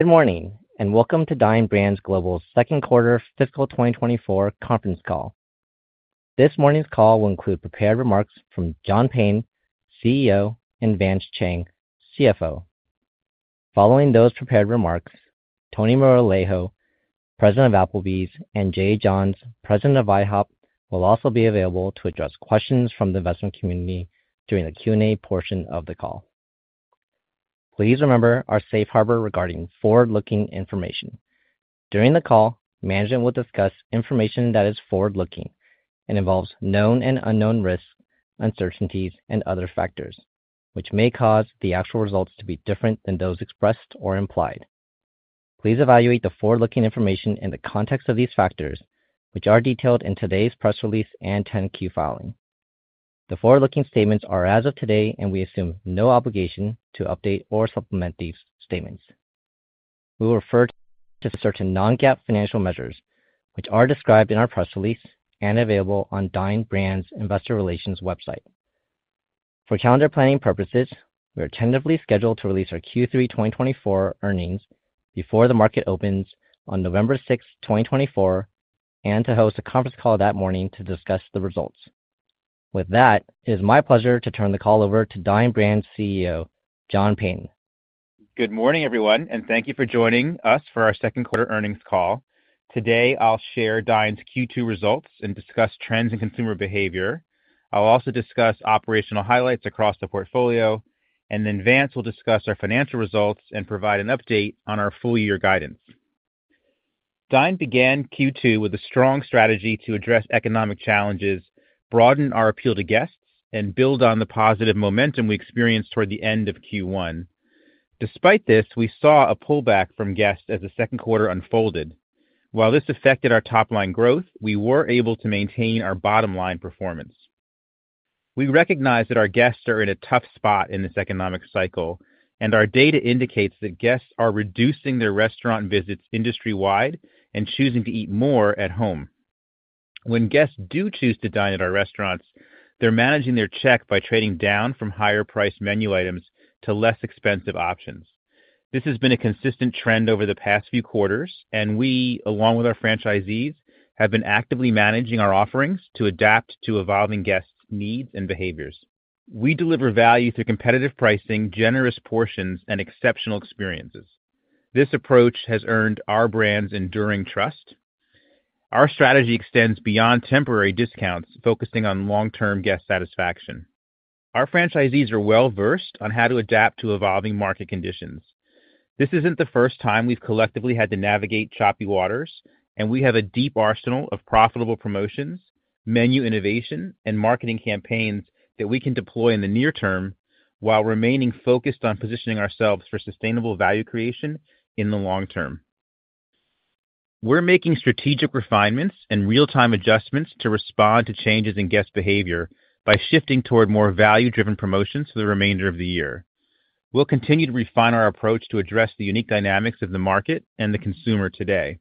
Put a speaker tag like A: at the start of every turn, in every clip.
A: Good morning, and welcome to Dine Brands Global's second quarter fiscal 2024 conference call. This morning's call will include prepared remarks from John Peyton, CEO, and Vance Chang, CFO. Following those prepared remarks, Tony Moralejo, President of Applebee's, and Jay Johns, President of IHOP, will also be available to address questions from the investment community during the Q&A portion of the call. Please remember our safe harbor regarding forward-looking information. During the call, management will discuss information that is forward-looking and involves known and unknown risks, uncertainties, and other factors, which may cause the actual results to be different than those expressed or implied. Please evaluate the forward-looking information in the context of these factors, which are detailed in today's press release and 10-Q filing. The forward-looking statements are as of today, and we assume no obligation to update or supplement these statements. We will refer to certain non-GAAP financial measures, which are described in our press release and available on Dine Brands' investor relations website. For calendar planning purposes, we are tentatively scheduled to release our Q3 2024 earnings before the market opens on November 6, 2024, and to host a conference call that morning to discuss the results. With that, it is my pleasure to turn the call over to Dine Brands' CEO, John Peyton.
B: Good morning, everyone, and thank you for joining us for our second quarter earnings call. Today, I'll share Dine's Q2 results and discuss trends in consumer behavior. I'll also discuss operational highlights across the portfolio, and then Vance will discuss our financial results and provide an update on our full year guidance. Dine began Q2 with a strong strategy to address economic challenges, broaden our appeal to guests, and build on the positive momentum we experienced toward the end of Q1. Despite this, we saw a pullback from guests as the second quarter unfolded. While this affected our top-line growth, we were able to maintain our bottom-line performance. We recognize that our guests are in a tough spot in this economic cycle, and our data indicates that guests are reducing their restaurant visits industry-wide and choosing to eat more at home. When guests do choose to dine at our restaurants, they're managing their check by trading down from higher-priced menu items to less expensive options. This has been a consistent trend over the past few quarters, and we, along with our franchisees, have been actively managing our offerings to adapt to evolving guests' needs and behaviors. We deliver value through competitive pricing, generous portions, and exceptional experiences. This approach has earned our brands enduring trust. Our strategy extends beyond temporary discounts, focusing on long-term guest satisfaction. Our franchisees are well-versed on how to adapt to evolving market conditions. This isn't the first time we've collectively had to navigate choppy waters, and we have a deep arsenal of profitable promotions, menu innovation, and marketing campaigns that we can deploy in the near term while remaining focused on positioning ourselves for sustainable value creation in the long term. We're making strategic refinements and real-time adjustments to respond to changes in guest behavior by shifting toward more value-driven promotions for the remainder of the year. We'll continue to refine our approach to address the unique dynamics of the market and the consumer today.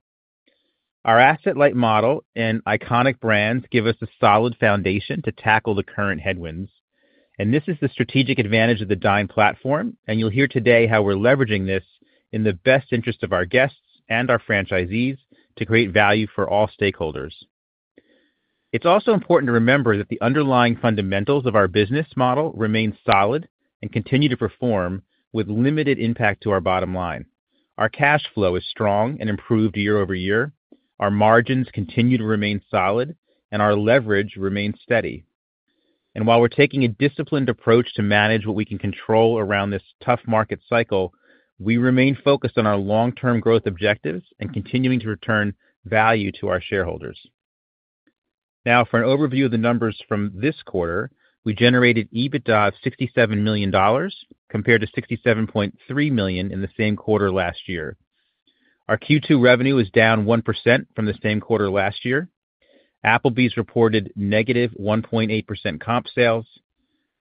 B: Our asset-light model and iconic brands give us a solid foundation to tackle the current headwinds, and this is the strategic advantage of the Dine platform, and you'll hear today how we're leveraging this in the best interest of our guests and our franchisees to create value for all stakeholders. It's also important to remember that the underlying fundamentals of our business model remain solid and continue to perform with limited impact to our bottom line. Our cash flow is strong and improved year-over-year, our margins continue to remain solid, and our leverage remains steady. While we're taking a disciplined approach to manage what we can control around this tough market cycle, we remain focused on our long-term growth objectives and continuing to return value to our shareholders. Now, for an overview of the numbers from this quarter, we generated EBITDA of $67 million, compared to $67.3 million in the same quarter last year. Our Q2 revenue is down 1% from the same quarter last year. Applebee's reported -1.8% comp sales,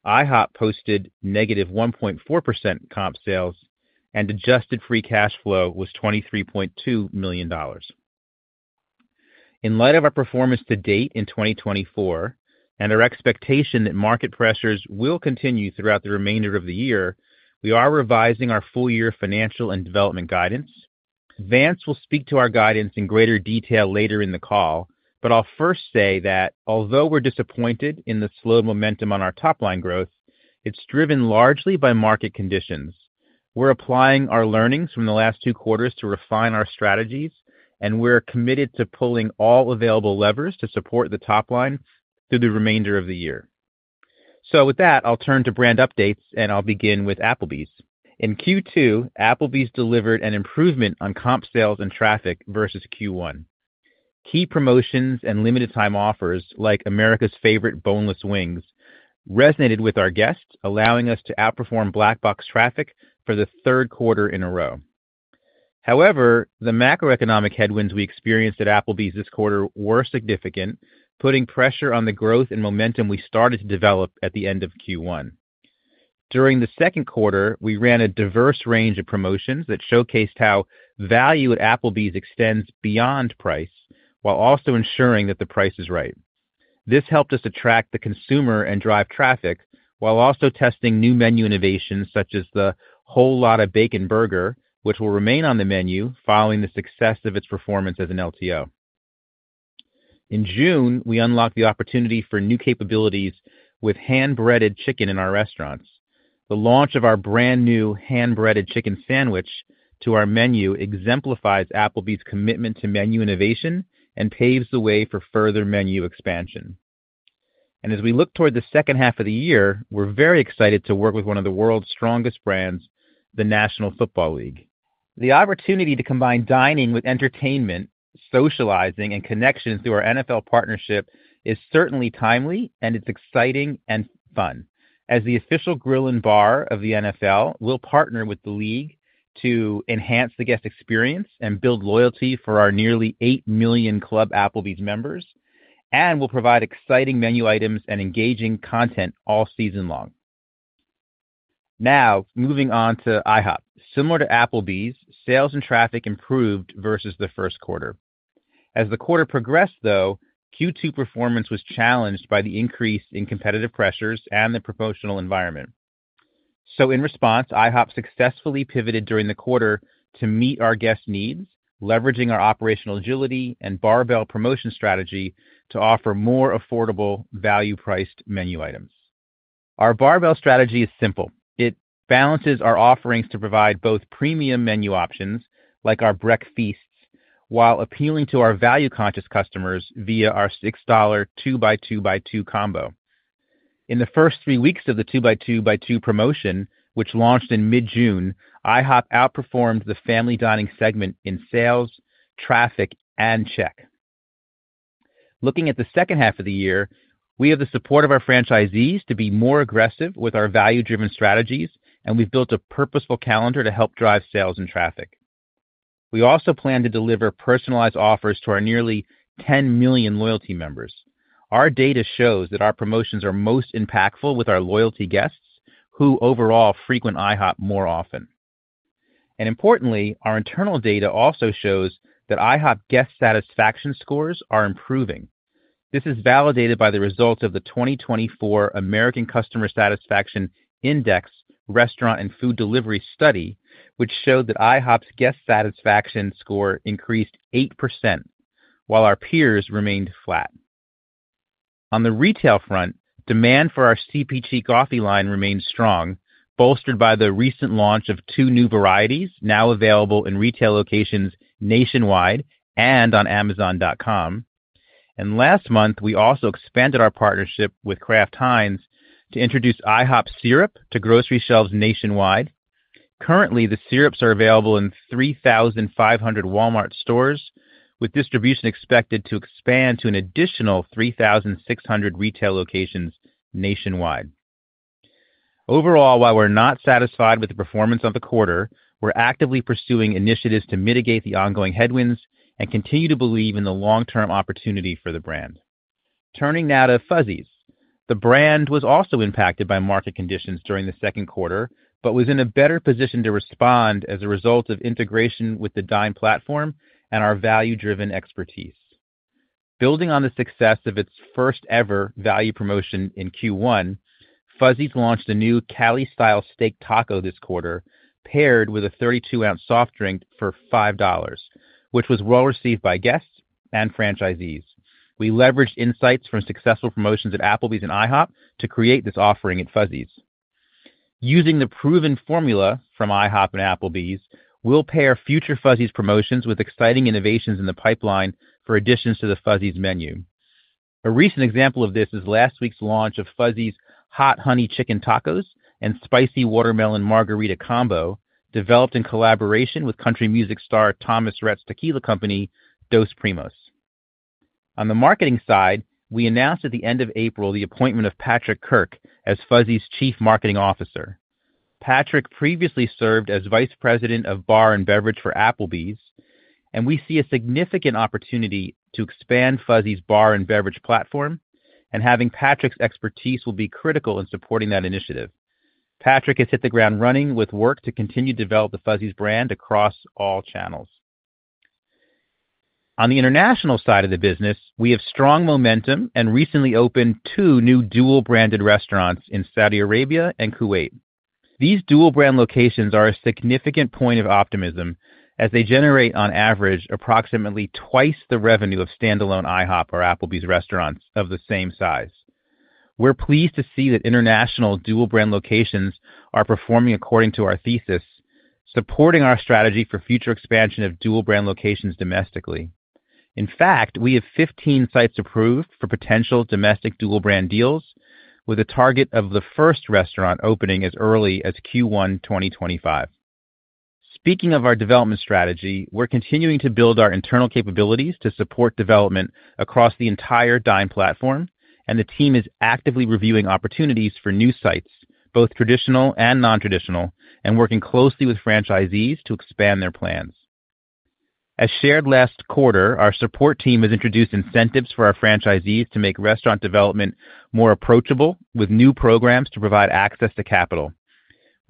B: IHOP posted -1.4% comp sales, and adjusted free cash flow was $23.2 million. In light of our performance to date in 2024, and our expectation that market pressures will continue throughout the remainder of the year, we are revising our full year financial and development guidance. Vance will speak to our guidance in greater detail later in the call, but I'll first say that although we're disappointed in the slow momentum on our top-line growth, it's driven largely by market conditions. We're applying our learnings from the last two quarters to refine our strategies, and we're committed to pulling all available levers to support the top line through the remainder of the year. So with that, I'll turn to brand updates, and I'll begin with Applebee's. In Q2, Applebee's delivered an improvement on comp sales and traffic versus Q1. Key promotions and limited time offers, like America's Favorite Boneless Wings, resonated with our guests, allowing us to outperform Black Box traffic for the third quarter in a row. However, the macroeconomic headwinds we experienced at Applebee's this quarter were significant, putting pressure on the growth and momentum we started to develop at the end of Q1. During the second quarter, we ran a diverse range of promotions that showcased how value at Applebee's extends beyond price, while also ensuring that the price is right. This helped us attract the consumer and drive traffic, while also testing new menu innovations, such as the Whole Lotta Bacon Burger, which will remain on the menu following the success of its performance as an LTO. In June, we unlocked the opportunity for new capabilities with hand-breaded chicken in our restaurants. The launch of our brand-new hand-breaded chicken sandwich to our menu exemplifies Applebee's commitment to menu innovation and paves the way for further menu expansion. As we look toward the second half of the year, we're very excited to work with one of the world's strongest brands, the National Football League. The opportunity to combine dining with entertainment, socializing, and connections through our NFL partnership is certainly timely, and it's exciting and fun. As the official grill and bar of the NFL, we'll partner with the league to enhance the guest experience and build loyalty for our nearly 8 million Club Applebee's members, and we'll provide exciting menu items and engaging content all season long. Now, moving on to IHOP. Similar to Applebee's, sales and traffic improved versus the first quarter. As the quarter progressed, though, Q2 performance was challenged by the increase in competitive pressures and the promotional environment. So in response, IHOP successfully pivoted during the quarter to meet our guests' needs, leveraging our operational agility and barbell promotion strategy to offer more affordable value-priced menu items. Our barbell strategy is simple: It balances our offerings to provide both premium menu options, like our breakfasts, while appealing to our value-conscious customers via our $6 2x2x2 combo. In the first 3 weeks of the 2x2x2 promotion, which launched in mid-June, IHOP outperformed the family dining segment in sales, traffic, and check. Looking at the second half of the year, we have the support of our franchisees to be more aggressive with our value-driven strategies, and we've built a purposeful calendar to help drive sales and traffic. We also plan to deliver personalized offers to our nearly 10 million loyalty members. Our data shows that our promotions are most impactful with our loyalty guests, who overall frequent IHOP more often. Importantly, our internal data also shows that IHOP guest satisfaction scores are improving. This is validated by the results of the 2024 American Customer Satisfaction Index Restaurant and Food Delivery Study, which showed that IHOP's guest satisfaction score increased 8%, while our peers remained flat. On the retail front, demand for our CPG coffee line remains strong, bolstered by the recent launch of two new varieties, now available in retail locations nationwide and on Amazon.com. And last month, we also expanded our partnership with Kraft Heinz to introduce IHOP syrup to grocery shelves nationwide. Currently, the syrups are available in 3,500 Walmart stores, with distribution expected to expand to an additional 3,600 retail locations nationwide. Overall, while we're not satisfied with the performance of the quarter, we're actively pursuing initiatives to mitigate the ongoing headwinds and continue to believe in the long-term opportunity for the brand. Turning now to Fuzzy's. The brand was also impacted by market conditions during the second quarter, but was in a better position to respond as a result of integration with the Dine platform and our value-driven expertise. Building on the success of its first-ever value promotion in Q1, Fuzzy's launched a new Cali-Style Steak Taco this quarter, paired with a 32-ounce soft drink for $5, which was well-received by guests and franchisees. We leveraged insights from successful promotions at Applebee's and IHOP to create this offering at Fuzzy's. Using the proven formula from IHOP and Applebee's, we'll pair future Fuzzy's promotions with exciting innovations in the pipeline for additions to the Fuzzy's menu. A recent example of this is last week's launch of Fuzzy's Hot Honey Chicken Tacos and Spicy Watermelon Margarita combo, developed in collaboration with country music star Thomas Rhett's tequila company, Dos Primos. On the marketing side, we announced at the end of April the appointment of Patrick Kirk as Fuzzy's Chief Marketing Officer. Patrick previously served as Vice President of Bar and Beverage for Applebee's, and we see a significant opportunity to expand Fuzzy's bar and beverage platform, and having Patrick's expertise will be critical in supporting that initiative. Patrick has hit the ground running with work to continue to develop the Fuzzy's brand across all channels. On the international side of the business, we have strong momentum and recently opened 2 new dual-branded restaurants in Saudi Arabia and Kuwait. These dual-brand locations are a significant point of optimism, as they generate, on average, approximately twice the revenue of standalone IHOP or Applebee's restaurants of the same size. We're pleased to see that international dual-brand locations are performing according to our thesis, supporting our strategy for future expansion of dual-brand locations domestically. In fact, we have 15 sites approved for potential domestic dual-brand deals, with a target of the first restaurant opening as early as Q1 2025. Speaking of our development strategy, we're continuing to build our internal capabilities to support development across the entire Dine platform, and the team is actively reviewing opportunities for new sites, both traditional and non-traditional, and working closely with franchisees to expand their plans. As shared last quarter, our support team has introduced incentives for our franchisees to make restaurant development more approachable, with new programs to provide access to capital....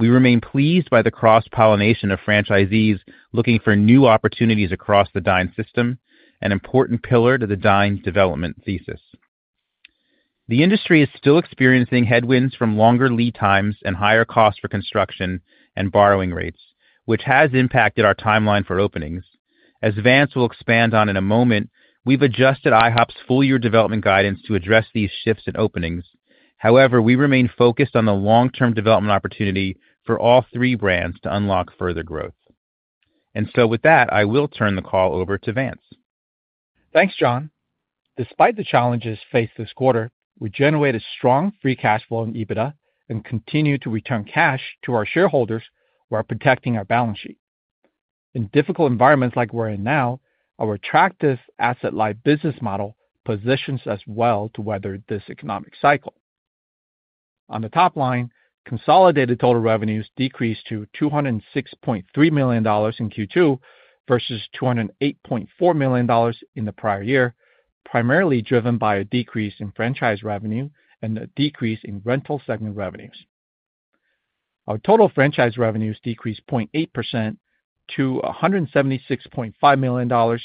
B: We remain pleased by the cross-pollination of franchisees looking for new opportunities across the Dine system, an important pillar to the Dine development thesis. The industry is still experiencing headwinds from longer lead times and higher costs for construction and borrowing rates, which has impacted our timeline for openings. As Vance will expand on in a moment, we've adjusted IHOP's full-year development guidance to address these shifts in openings. However, we remain focused on the long-term development opportunity for all three brands to unlock further growth. And so with that, I will turn the call over to Vance.
C: Thanks, John. Despite the challenges faced this quarter, we generated strong free cash flow and EBITDA and continued to return cash to our shareholders while protecting our balance sheet. In difficult environments like we're in now, our attractive asset-light business model positions us well to weather this economic cycle. On the top line, consolidated total revenues decreased to $206.3 million in Q2 versus $208.4 million in the prior year, primarily driven by a decrease in franchise revenue and a decrease in rental segment revenues. Our total franchise revenues decreased 0.8% to $176.5 million,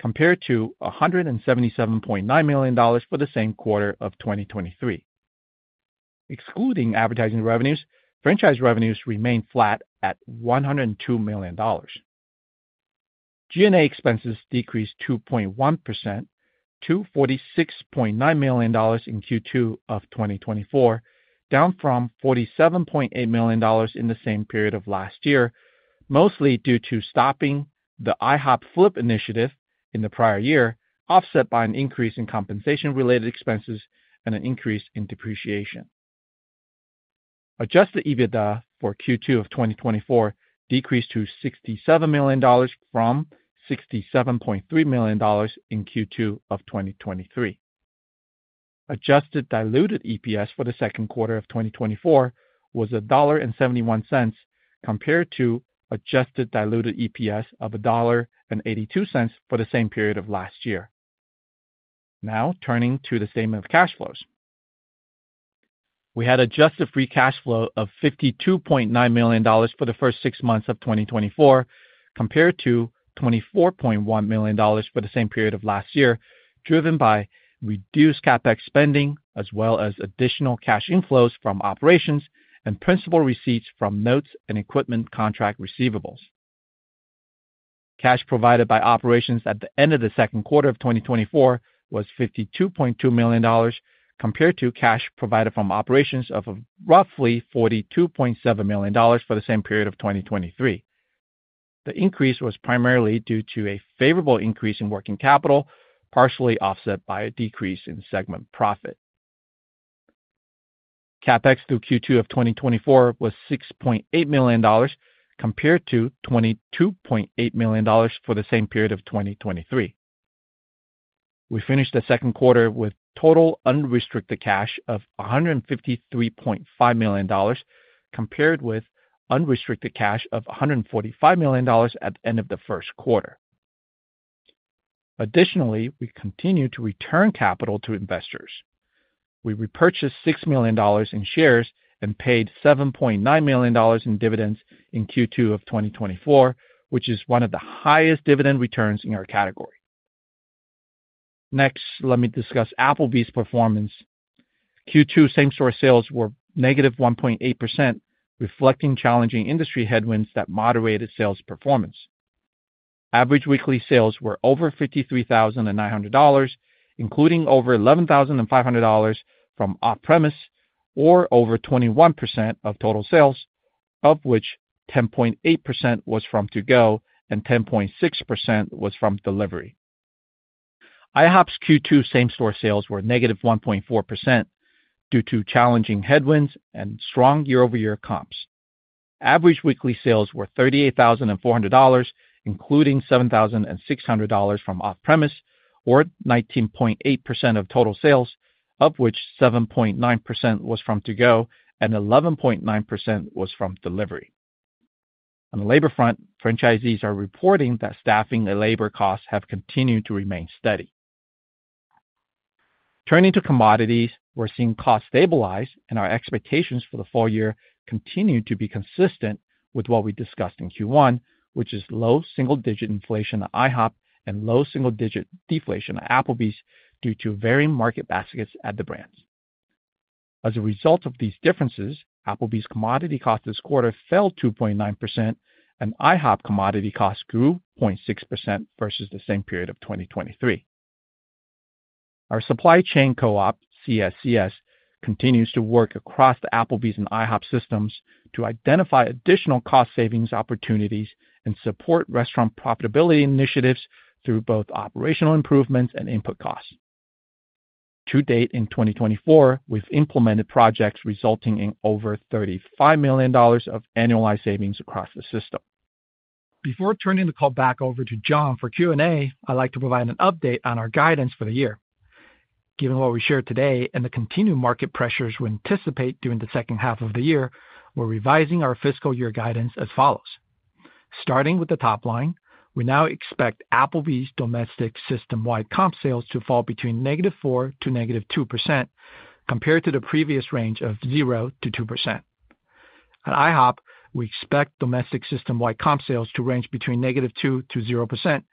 C: compared to $177.9 million for the same quarter of 2023. Excluding advertising revenues, franchise revenues remained flat at $102 million. G&A expenses decreased 2.1% to $46.9 million in Q2 of 2024, down from $47.8 million in the same period of last year, mostly due to stopping the IHOP Flip initiative in the prior year, offset by an increase in compensation-related expenses and an increase in depreciation. Adjusted EBITDA for Q2 of 2024 decreased to $67 million from $67.3 million in Q2 of 2023. Adjusted diluted EPS for the second quarter of 2024 was $1.71, compared to adjusted diluted EPS of $1.82 for the same period of last year. Now, turning to the statement of cash flows. We had adjusted free cash flow of $52.9 million for the first six months of 2024, compared to $24.1 million for the same period of last year, driven by reduced CapEx spending, as well as additional cash inflows from operations and principal receipts from notes and equipment contract receivables. Cash provided by operations at the end of the second quarter of 2024 was $52.2 million, compared to cash provided from operations of roughly $42.7 million for the same period of 2023. The increase was primarily due to a favorable increase in working capital, partially offset by a decrease in segment profit. CapEx through Q2 of 2024 was $6.8 million, compared to $22.8 million for the same period of 2023. We finished the second quarter with total unrestricted cash of $153.5 million, compared with unrestricted cash of $145 million at the end of the first quarter. Additionally, we continued to return capital to investors. We repurchased $6 million in shares and paid $7.9 million in dividends in Q2 of 2024, which is one of the highest dividend returns in our category. Next, let me discuss Applebee's performance. Q2 same-store sales were -1.8%, reflecting challenging industry headwinds that moderated sales performance. Average weekly sales were over $53,900, including over $11,500 from off-premise, or over 21% of total sales, of which 10.8% was from to-go and 10.6% was from delivery. IHOP's Q2 same-store sales were -1.4% due to challenging headwinds and strong year-over-year comps. Average weekly sales were $38,400, including $7,600 from off-premise, or 19.8% of total sales, of which 7.9% was from to-go and 11.9% was from delivery. On the labor front, franchisees are reporting that staffing and labor costs have continued to remain steady. Turning to commodities, we're seeing costs stabilize, and our expectations for the full year continue to be consistent with what we discussed in Q1, which is low single-digit inflation at IHOP and low single-digit deflation at Applebee's due to varying market baskets at the brands. As a result of these differences, Applebee's commodity costs this quarter fell 2.9%, and IHOP commodity costs grew 0.6% versus the same period of 2023. Our supply chain co-op, CSCS, continues to work across the Applebee's and IHOP systems to identify additional cost savings opportunities and support restaurant profitability initiatives through both operational improvements and input costs. To date, in 2024, we've implemented projects resulting in over $35 million of annualized savings across the system. Before turning the call back over to John for Q&A, I'd like to provide an update on our guidance for the year. Given what we shared today and the continued market pressures we anticipate during the second half of the year, we're revising our fiscal year guidance as follows:... Starting with the top line, we now expect Applebee's domestic system-wide comp sales to fall between -4% and -2%, compared to the previous range of 0%-2%. At IHOP, we expect domestic system-wide comp sales to range between -2% and 0%,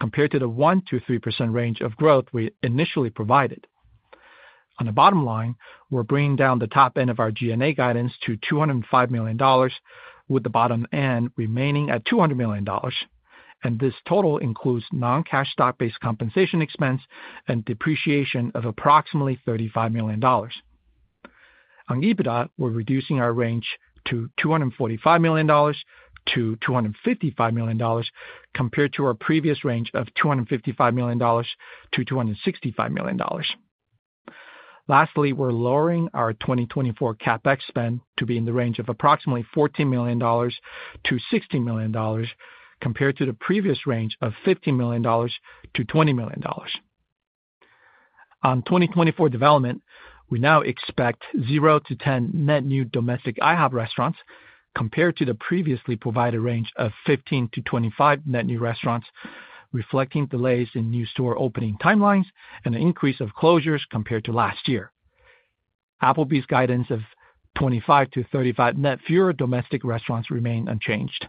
C: compared to the 1%-3% range of growth we initially provided. On the bottom line, we're bringing down the top end of our G&A guidance to $205 million, with the bottom end remaining at $200 million, and this total includes non-cash stock-based compensation expense and depreciation of approximately $35 million. On EBITDA, we're reducing our range to $245 million-$255 million, compared to our previous range of $255 million-$265 million. Lastly, we're lowering our 2024 CapEx spend to be in the range of approximately $14 million-$16 million, compared to the previous range of $15 million-$20 million. On 2024 development, we now expect 0-10 net new domestic IHOP restaurants, compared to the previously provided range of 15-25 net new restaurants, reflecting delays in new store opening timelines and an increase of closures compared to last year. Applebee's guidance of 25-35 net fewer domestic restaurants remain unchanged.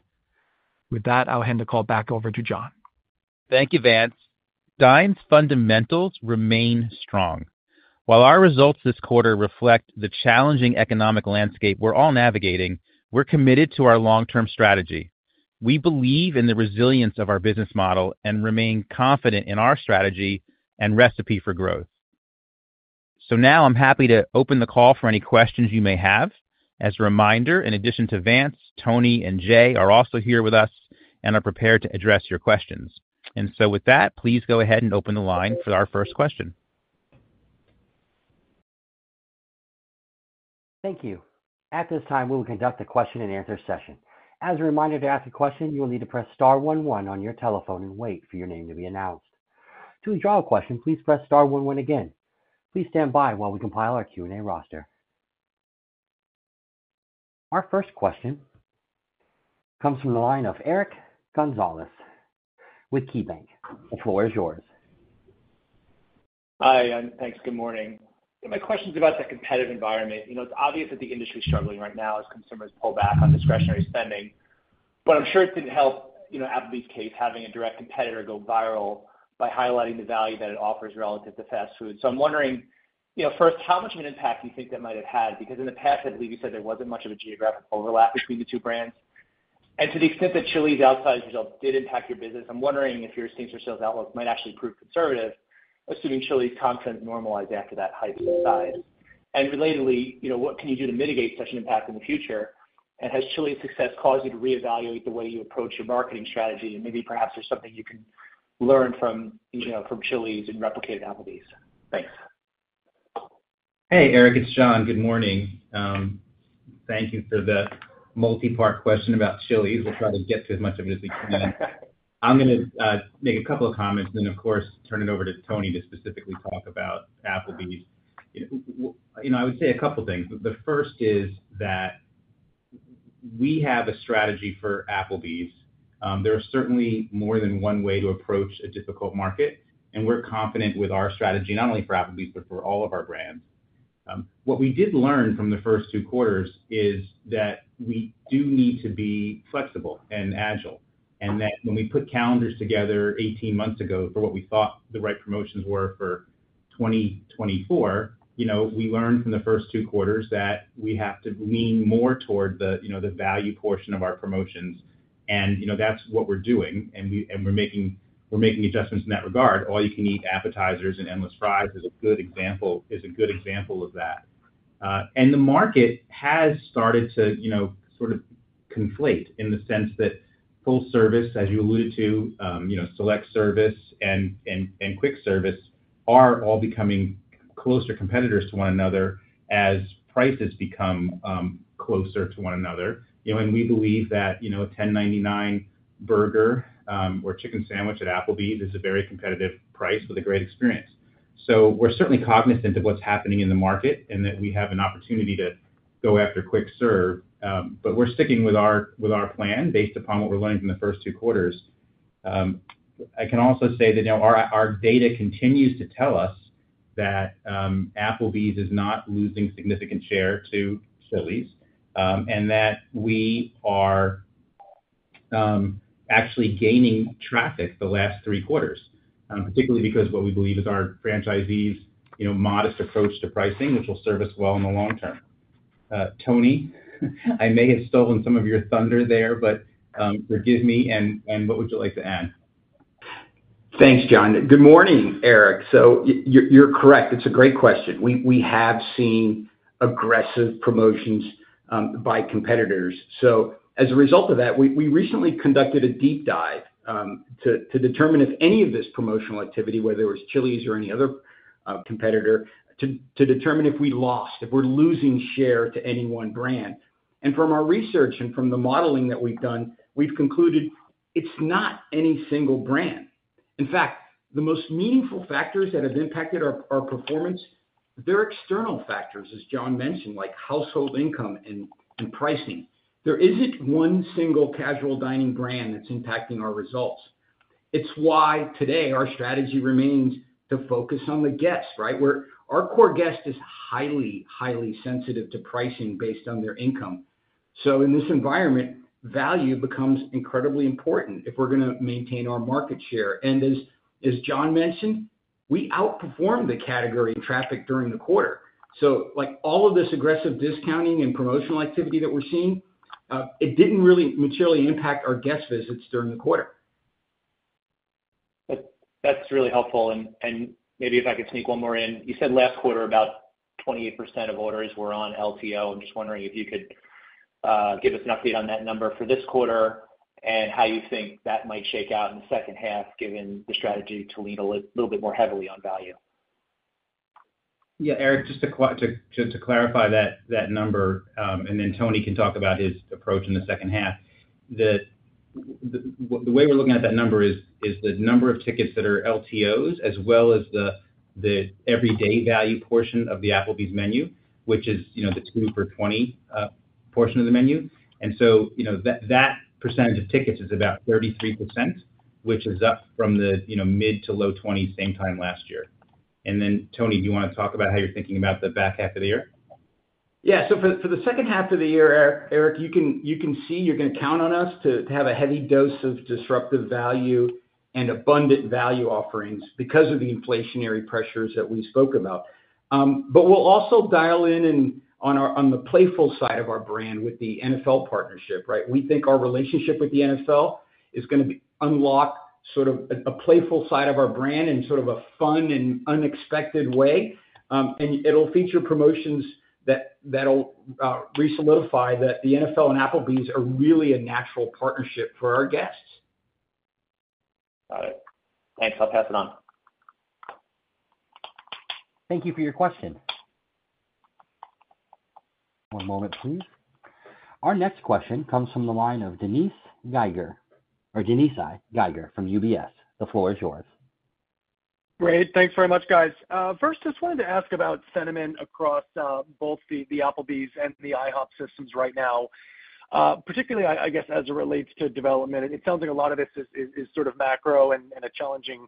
C: With that, I'll hand the call back over to John.
B: Thank you, Vance. Dine's fundamentals remain strong. While our results this quarter reflect the challenging economic landscape we're all navigating, we're committed to our long-term strategy. We believe in the resilience of our business model and remain confident in our strategy and recipe for growth. So now I'm happy to open the call for any questions you may have. As a reminder, in addition to Vance, Tony and Jay are also here with us and are prepared to address your questions. And so with that, please go ahead and open the line for our first question.
A: Thank you. At this time, we will conduct a question-and-answer session. As a reminder, to ask a question, you will need to press star one one on your telephone and wait for your name to be announced. To withdraw a question, please press star one one again. Please stand by while we compile our Q&A roster. Our first question comes from the line of Eric Gonzalez with KeyBanc. The floor is yours.
D: Hi, and thanks. Good morning. My question is about the competitive environment. You know, it's obvious that the industry is struggling right now as consumers pull back on discretionary spending, but I'm sure it didn't help, you know, Applebee's case, having a direct competitor go viral by highlighting the value that it offers relative to fast food. So I'm wondering, you know, first, how much of an impact do you think that might have had? Because in the past, I believe you said there wasn't much of a geographic overlap between the two brands. And to the extent that Chili's outsized results did impact your business, I'm wondering if your same-store sales outlook might actually prove conservative, assuming Chili's content normalized after that hype dies. And relatedly, you know, what can you do to mitigate such an impact in the future? Has Chili's success caused you to reevaluate the way you approach your marketing strategy? Maybe perhaps there's something you can learn from, you know, from Chili's and replicate at Applebee's. Thanks.
B: Hey, Eric, it's John. Good morning. Thank you for the multi-part question about Chili's. We'll try to get to as much of it as we can. I'm gonna make a couple of comments, then, of course, turn it over to Tony to specifically talk about Applebee's. You know, I would say a couple of things. The first is that we have a strategy for Applebee's. There are certainly more than one way to approach a difficult market, and we're confident with our strategy, not only for Applebee's, but for all of our brands. What we did learn from the first two quarters is that we do need to be flexible and agile, and that when we put calendars together 18 months ago for what we thought the right promotions were for 2024, you know, we learned from the first two quarters that we have to lean more toward the, you know, the value portion of our promotions, and, you know, that's what we're doing, and we're making adjustments in that regard. All you can eat appetizers and endless fries is a good example of that. And the market has started to, you know, sort of conflate in the sense that full service, as you alluded to, you know, select service and quick service are all becoming closer competitors to one another as prices become closer to one another. You know, and we believe that, you know, a $10.99 burger or chicken sandwich at Applebee's is a very competitive price with a great experience. So we're certainly cognizant of what's happening in the market and that we have an opportunity to go after quick serve, but we're sticking with our plan based upon what we're learning from the first two quarters. I can also say that, you know, our data continues to tell us that Applebee's is not losing significant share to Chili's, and that we are actually gaining traffic the last three quarters, particularly because what we believe is our franchisees' modest approach to pricing, which will serve us well in the long term. Tony, I may have stolen some of your thunder there, but forgive me, and what would you like to add?
E: Thanks, John. Good morning, Eric. So you're correct. It's a great question. We have seen aggressive promotions by competitors. So as a result of that, we recently conducted a deep dive to determine if any of this promotional activity, whether it was Chili's or any other competitor, to determine if we lost, if we're losing share to any one brand. And from our research and from the modeling that we've done, we've concluded it's not any single brand. In fact, the most meaningful factors that have impacted our performance, they're external factors, as John mentioned, like household income and pricing. There isn't one single casual dining brand that's impacting our results. It's why today, our strategy remains to focus on the guest, right? Where our core guest is highly sensitive to pricing based on their income. So in this environment, value becomes incredibly important if we're gonna maintain our market share. And as John mentioned, we outperformed the category in traffic during the quarter. So like all of this aggressive discounting and promotional activity that we're seeing, it didn't really materially impact our guest visits during the quarter.
D: That's really helpful. And maybe if I could sneak one more in. You said last quarter, about 28% of orders were on LTO. I'm just wondering if you could give us an update on that number for this quarter, and how you think that might shake out in the second half, given the strategy to lean a little bit more heavily on value.
B: Yeah, Eric, just to clarify that number, and then Tony can talk about his approach in the second half. The way we're looking at that number is the number of tickets that are LTOs, as well as the everyday value portion of the Applebee's menu, which is, you know, the 2 for $20 portion of the menu. And so, you know, that percentage of tickets is about 33%, which is up from the, you know, mid-to-low 20s, same time last year. And then, Tony, do you want to talk about how you're thinking about the back half of the year?
E: Yeah. So for the second half of the year, Eric, you can see, you're gonna count on us to have a heavy dose of disruptive value and abundant value offerings because of the inflationary pressures that we spoke about. But we'll also dial in on our playful side of our brand with the NFL partnership, right? We think our relationship with the NFL is gonna unlock sort of a playful side of our brand in sort of a fun and unexpected way. And it'll feature promotions that'll re-solidify that the NFL and Applebee's are really a natural partnership for our guests.
D: Got it. Thanks. I'll pass it on.
A: Thank you for your question. One moment, please. Our next question comes from the line of Dennis Geiger from UBS. The floor is yours.
F: Great. Thanks very much, guys. First, just wanted to ask about sentiment across both the Applebee's and the IHOP systems right now. Particularly, I guess, as it relates to development, it sounds like a lot of this is sort of macro and a challenging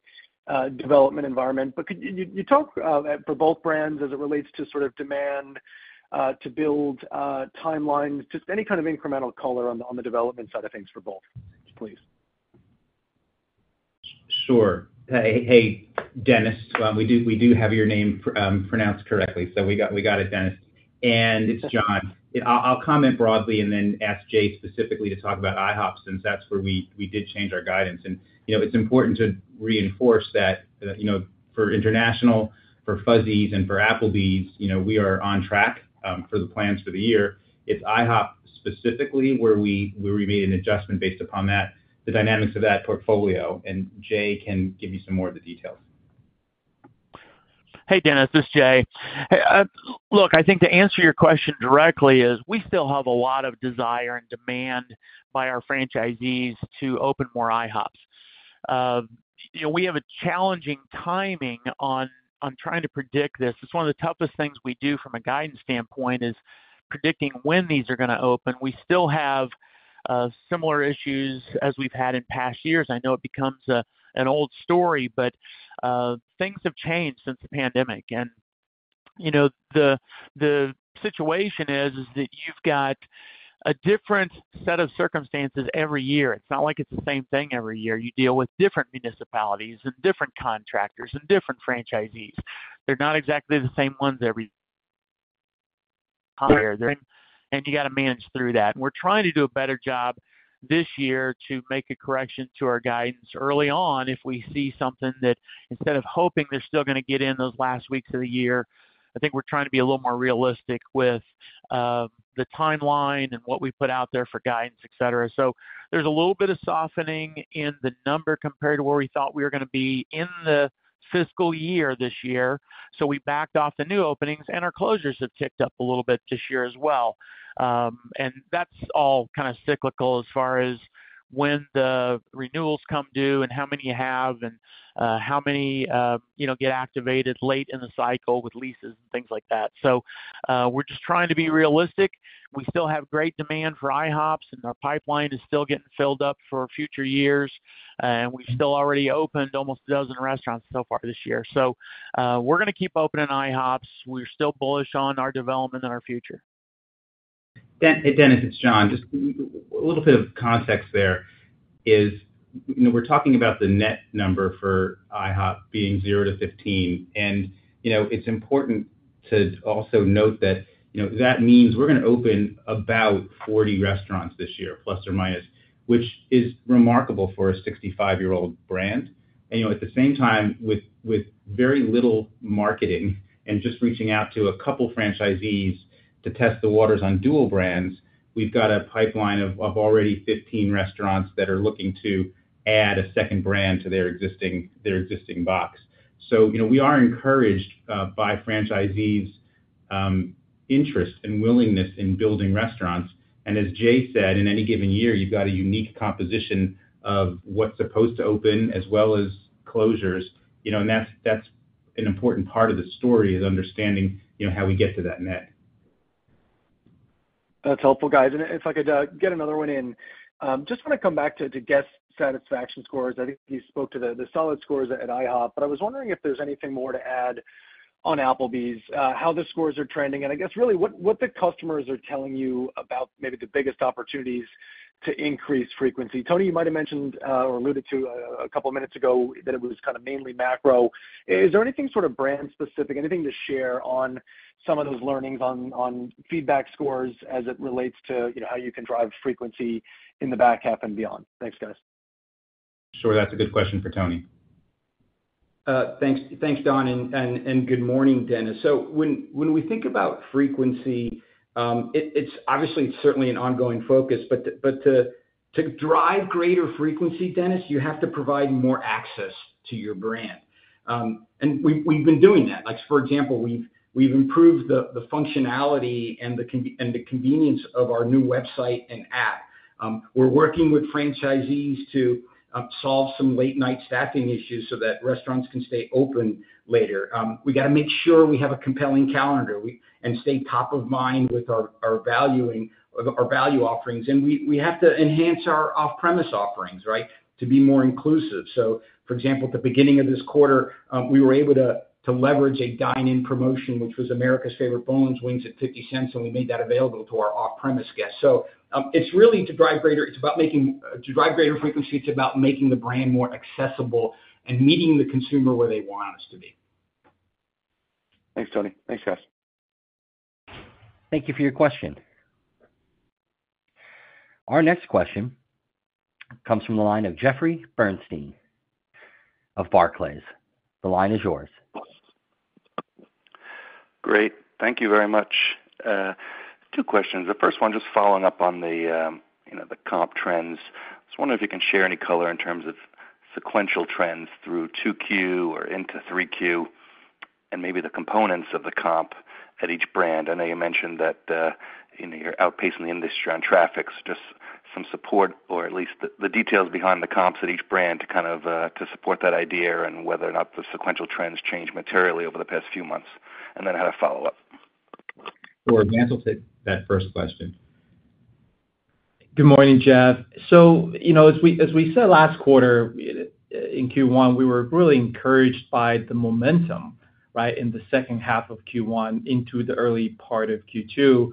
F: development environment. But could you talk for both brands as it relates to sort of demand to build timelines, just any kind of incremental color on the development side of things for both, please?
B: Sure. Hey, Dennis, we do have your name pronounced correctly, so we got it, Dennis. It's John. I'll comment broadly and then ask Jay specifically to talk about IHOP, since that's where we did change our guidance. You know, it's important to reinforce that, you know, for international, for Fuzzy's and for Applebee's, you know, we are on track for the plans for the year. It's IHOP specifically, where we made an adjustment based upon the dynamics of that portfolio, and Jay can give you some more of the details.
G: Hey, Dennis, this is Jay. Hey, look, I think to answer your question directly is, we still have a lot of desire and demand by our franchisees to open more IHOPs. You know, we have a challenging timing on trying to predict this. It's one of the toughest things we do from a guidance standpoint, is predicting when these are gonna open. We still have similar issues as we've had in past years. I know it becomes an old story, but things have changed since the pandemic. And, you know, the situation is that you've got a different set of circumstances every year. It's not like it's the same thing every year. You deal with different municipalities and different contractors and different franchisees. They're not exactly the same ones every year, and you got to manage through that. We're trying to do a better job this year to make a correction to our guidance early on, if we see something that instead of hoping they're still gonna get in those last weeks of the year. I think we're trying to be a little more realistic with the timeline and what we put out there for guidance, et cetera. So there's a little bit of softening in the number compared to where we thought we were gonna be in the fiscal year this year. So we backed off the new openings, and our closures have ticked up a little bit this year as well. And that's all kind of cyclical as far as when the renewals come due and how many you have and how many you know get activated late in the cycle with leases and things like that. So, we're just trying to be realistic. We still have great demand for IHOPs, and our pipeline is still getting filled up for future years, and we still already opened almost a dozen restaurants so far this year. So, we're gonna keep opening IHOPs. We're still bullish on our development and our future.
B: Hey, Dennis, it's John. Just a little bit of context there is, you know, we're talking about the net number for IHOP being 0-15. And, you know, it's important to also note that, you know, that means we're gonna open about 40 restaurants this year, plus or minus, which is remarkable for a 65-year-old brand. And, you know, at the same time, with very little marketing and just reaching out to a couple franchisees to test the waters on dual brands, we've got a pipeline of already 15 restaurants that are looking to add a second brand to their existing, their existing box. So you know, we are encouraged by franchisees' interest and willingness in building restaurants. As Jay said, in any given year, you've got a unique composition of what's supposed to open as well as closures, you know, and that's an important part of the story, is understanding, you know, how we get to that net.
F: That's helpful, guys. And if I could, get another one in. Just want to come back to, to guest satisfaction scores. I think you spoke to the, the solid scores at IHOP, but I was wondering if there's anything more to add on Applebee's, how the scores are trending, and I guess really, what, what the customers are telling you about maybe the biggest opportunities to increase frequency. Tony, you might have mentioned, or alluded to, a couple of minutes ago that it was kind of mainly macro. Is there anything sort of brand specific, anything to share on some of those learnings on, on feedback scores as it relates to, you know, how you can drive frequency in the back half and beyond? Thanks, guys.
B: Sure, that's a good question for Tony.
E: Thanks. Thanks, Tony, and good morning, Dennis. So when we think about frequency, it's obviously certainly an ongoing focus, but to drive greater frequency, Dennis, you have to provide more access to your brand. We've been doing that. Like, for example, we've improved the functionality and the convenience of our new website and app. We're working with franchisees to solve some late-night staffing issues so that restaurants can stay open later. We got to make sure we have a compelling calendar and stay top of mind with our value offerings, and we have to enhance our off-premise offerings, right, to be more inclusive. So for example, at the beginning of this quarter, we were able to to leverage a dine-in promotion, which was America's Favorite Boneless Wings at $0.50, and we made that available to our off-premise guests. So, it's really to drive greater frequency. It's about making the brand more accessible and meeting the consumer where they want us to be.
F: Thanks, Tony. Thanks, guys.
A: Thank you for your question. Our next question comes from the line of Jeffrey Bernstein of Barclays. The line is yours.
H: Great. Thank you very much. Two questions. The first one, just following up on the, you know, the comp trends. Just wondering if you can share any color in terms of sequential trends through 2Q or into 3Q, and maybe the components of the comp at each brand. I know you mentioned that, you know, you're outpacing the industry on traffics. Just some support or at least the details behind the comps at each brand to kind of, to support that idea and whether or not the sequential trends changed materially over the past few months, and then I had a follow-up.
B: Sure. Vance will take that first question.
C: Good morning, Jeff. So, you know, as we said last quarter in Q1, we were really encouraged by the momentum, right, in the second half of Q1 into the early part of Q2.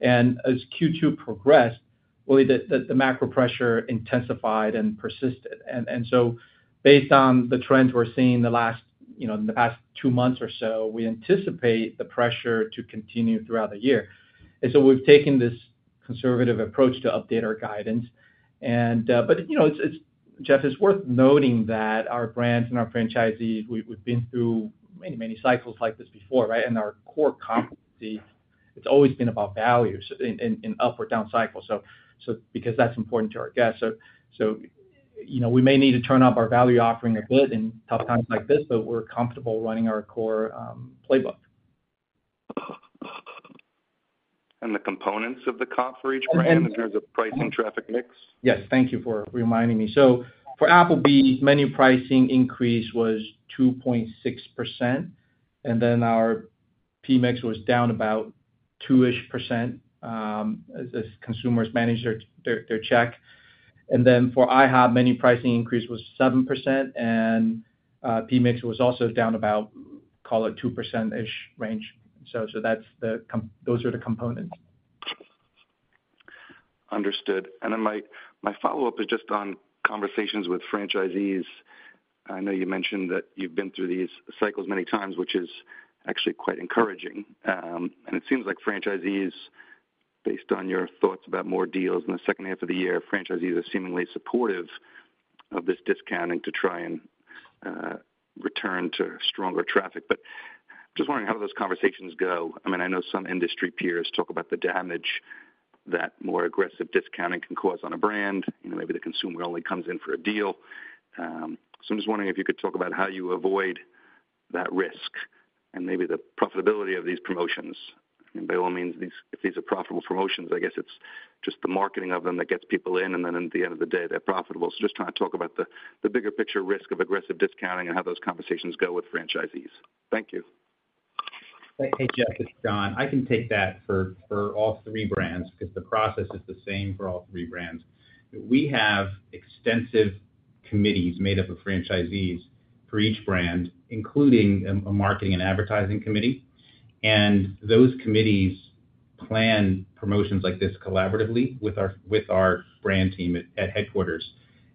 C: And as Q2 progressed, really the macro pressure intensified and persisted. And so based on the trends we're seeing in the last, you know, in the past two months or so, we anticipate the pressure to continue throughout the year. And so we've taken this conservative approach to update our guidance. But, you know, it's... Jeff, it's worth noting that our brands and our franchisees, we've been through many, many cycles like this before, right? And our core competency, it's always been about value in up or down cycles, so because that's important to our guests. So, you know, we may need to turn up our value offering a bit in tough times like this, but we're comfortable running our core playbook.
H: The components of the comp for each brand in terms of price and traffic mix?
C: Yes, thank you for reminding me. So for Applebee's, menu pricing increase was 2.6%, and then our PMIX was down about 2-ish%, as consumers managed their check. And then for IHOP, menu pricing increase was 7%, and PMIX was also down about, call it 2%-ish range. So, those are the components.
H: Understood. And then my follow-up is just on conversations with franchisees. I know you mentioned that you've been through these cycles many times, which is actually quite encouraging. And it seems like franchisees, based on your thoughts about more deals in the second half of the year, franchisees are seemingly supportive of this discounting to try and return to stronger traffic. But just wondering, how do those conversations go? I mean, I know some industry peers talk about the damage that more aggressive discounting can cause on a brand, you know, maybe the consumer only comes in for a deal. So I'm just wondering if you could talk about how you avoid that risk and maybe the profitability of these promotions. By all means, these, if these are profitable promotions, I guess it's just the marketing of them that gets people in, and then at the end of the day, they're profitable. So just trying to talk about the bigger picture risk of aggressive discounting and how those conversations go with franchisees. Thank you.
B: Hey, Jeff, it's John. I can take that for all three brands, because the process is the same for all three brands. We have extensive committees made up of franchisees for each brand, including a marketing and advertising committee. And those committees plan promotions like this collaboratively with our brand team at headquarters.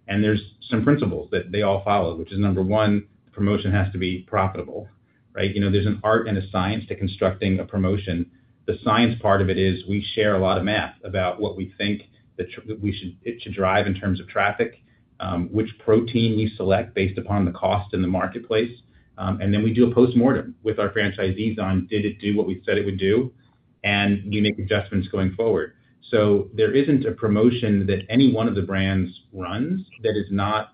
B: And there's some principles that they all follow, which is number one, promotion has to be profitable, right? You know, there's an art and a science to constructing a promotion. The science part of it is, we share a lot of math about what we think it should drive in terms of traffic, which protein you select based upon the cost in the marketplace. And then we do a postmortem with our franchisees on, did it do what we said it would do?... We make adjustments going forward. So there isn't a promotion that any one of the brands runs that is not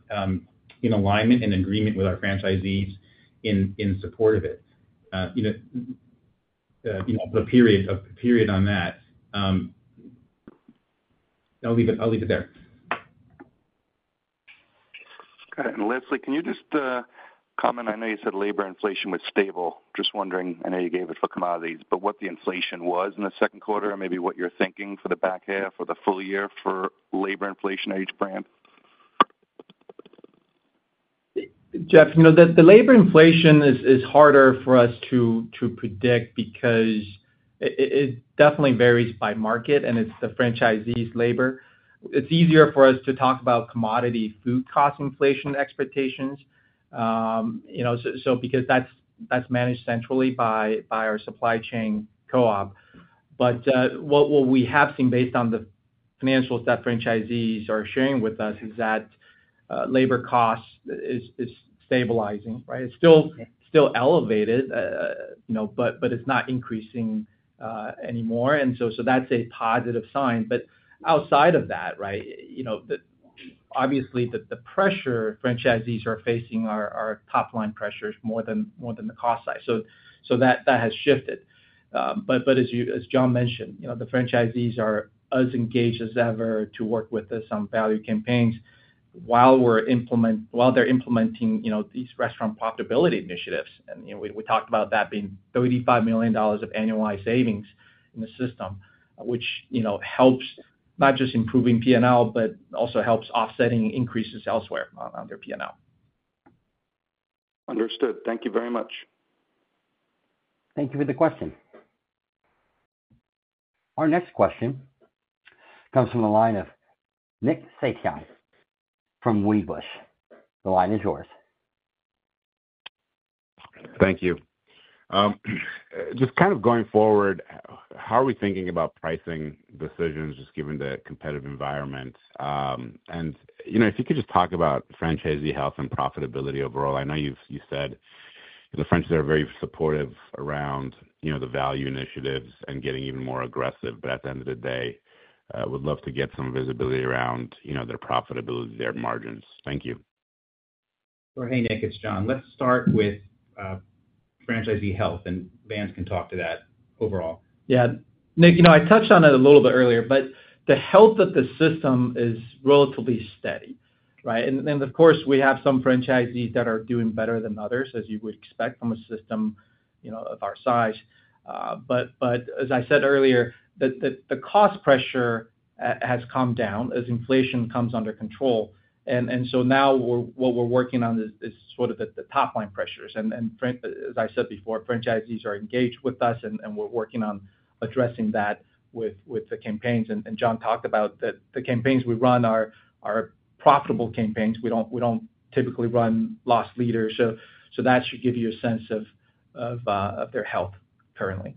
B: in alignment and agreement with our franchisees in support of it. You know, you know, a period on that. I'll leave it, I'll leave it there.
H: Okay. And lastly, can you just comment? I know you said labor inflation was stable. Just wondering, I know you gave it for commodities, but what the inflation was in the second quarter and maybe what you're thinking for the back half or the full year for labor inflation at each brand.
C: Jeff, you know, the labor inflation is harder for us to predict because it definitely varies by market, and it's the franchisee's labor. It's easier for us to talk about commodity food cost inflation expectations, you know, so because that's managed centrally by our supply chain co-op. But what we have seen based on the financials that franchisees are sharing with us is that labor cost is stabilizing, right? It's still elevated, you know, but it's not increasing anymore. And so that's a positive sign. But outside of that, right, you know, obviously, the pressure franchisees are facing are top line pressures more than the cost side. So that has shifted. But as you—as John mentioned, you know, the franchisees are as engaged as ever to work with us on value campaigns while they're implementing, you know, these restaurant profitability initiatives. And, you know, we talked about that being $35 million of annualized savings in the system, which, you know, helps not just improving PNL, but also helps offsetting increases elsewhere on their PNL.
H: Understood. Thank you very much.
A: Thank you for the question. Our next question comes from the line of Nick Setyan from Wedbush. The line is yours.
I: Thank you. Just kind of going forward, how are we thinking about pricing decisions, just given the competitive environment? And, you know, if you could just talk about franchisee health and profitability overall. I know you said the franchisees are very supportive around, you know, the value initiatives and getting even more aggressive. But at the end of the day, would love to get some visibility around, you know, their profitability, their margins. Thank you.
B: Hey, Nick, it's John. Let's start with franchisee health, and Vance can talk to that overall.
C: Yeah. Nick, you know, I touched on it a little bit earlier, but the health of the system is relatively steady, right? And then, of course, we have some franchisees that are doing better than others, as you would expect from a system, you know, of our size. But as I said earlier, the cost pressure has come down as inflation comes under control. And so now what we're working on is sort of the top line pressures. And as I said before, franchisees are engaged with us, and we're working on addressing that with the campaigns. And John talked about that the campaigns we run are profitable campaigns. We don't typically run loss leaders, so that should give you a sense of their health currently.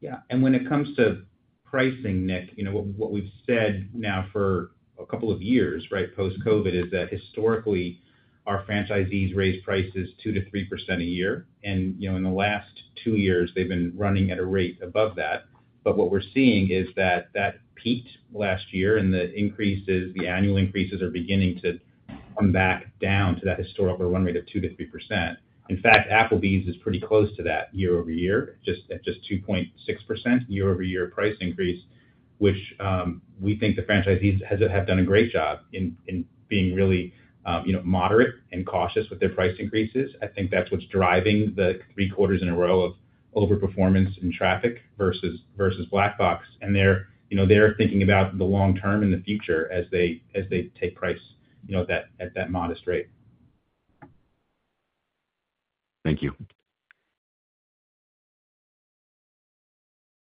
B: Yeah, and when it comes to pricing, Nick, you know, what we've said now for a couple of years, right, post-COVID, is that historically, our franchisees raised prices 2%-3% a year. And, you know, in the last two years, they've been running at a rate above that. But what we're seeing is that that peaked last year, and the increases, the annual increases, are beginning to come back down to that historical run rate of 2%-3%. In fact, Applebee's is pretty close to that year-over-year, just at 2.6% year-over-year price increase, which we think the franchisees have done a great job in being really, you know, moderate and cautious with their price increases. I think that's what's driving the three quarters in a row of overperformance in traffic versus Black Box. They're, you know, they're thinking about the long term and the future as they, as they take price, you know, at that, at that modest rate.
I: Thank you.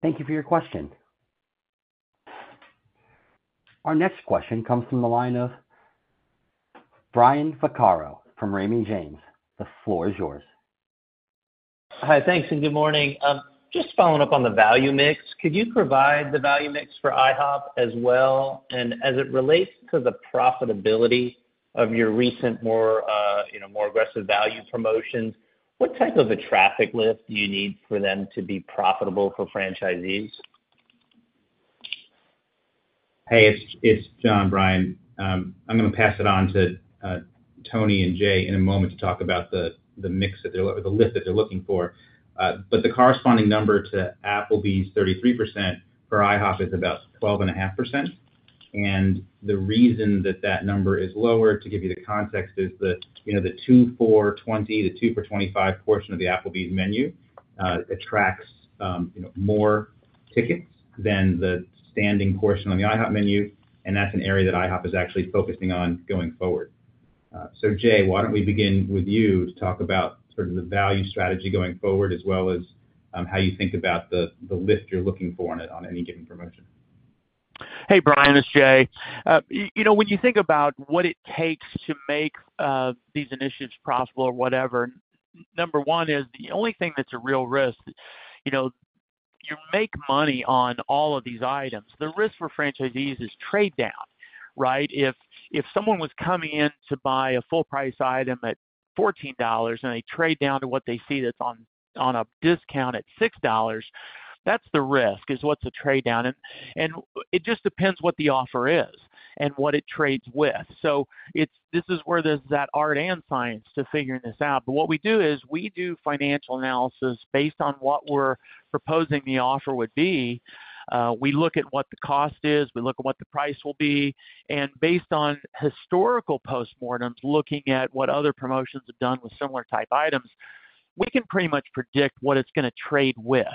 A: Thank you for your question. Our next question comes from the line of Brian Vaccaro from Raymond James. The floor is yours.
J: Hi, thanks, and good morning. Just following up on the value mix. Could you provide the value mix for IHOP as well? And as it relates to the profitability of your recent, more, you know, more aggressive value promotions, what type of a traffic lift do you need for them to be profitable for franchisees?
B: Hey, it's John, Brian. I'm going to pass it on to Tony and Jay in a moment to talk about the mix that they're... The lift that they're looking for. But the corresponding number to Applebee's 33% for IHOP is about 12.5%. And the reason that that number is lower, to give you the context, is you know, the 2 for $20, the 2 for $25 portion of the Applebee's menu attracts you know, more tickets than the standing portion on the IHOP menu, and that's an area that IHOP is actually focusing on going forward. So Jay, why don't we begin with you to talk about sort of the value strategy going forward, as well as how you think about the lift you're looking for on any given promotion.
G: Hey, Brian, it's Jay. You know, when you think about what it takes to make these initiatives profitable or whatever, number one is the only thing that's a real risk, you know, you make money on all of these items. The risk for franchisees is trade down. Right? If someone was coming in to buy a full price item at $14 and they trade down to what they see that's on a discount at $6, that's the risk, is what's a trade down? And it just depends what the offer is and what it trades with. So this is where there's that art and science to figuring this out. But what we do is we do financial analysis based on what we're proposing the offer would be. We look at what the cost is, we look at what the price will be, and based on historical postmortems, looking at what other promotions have done with similar type items, we can pretty much predict what it's going to trade with.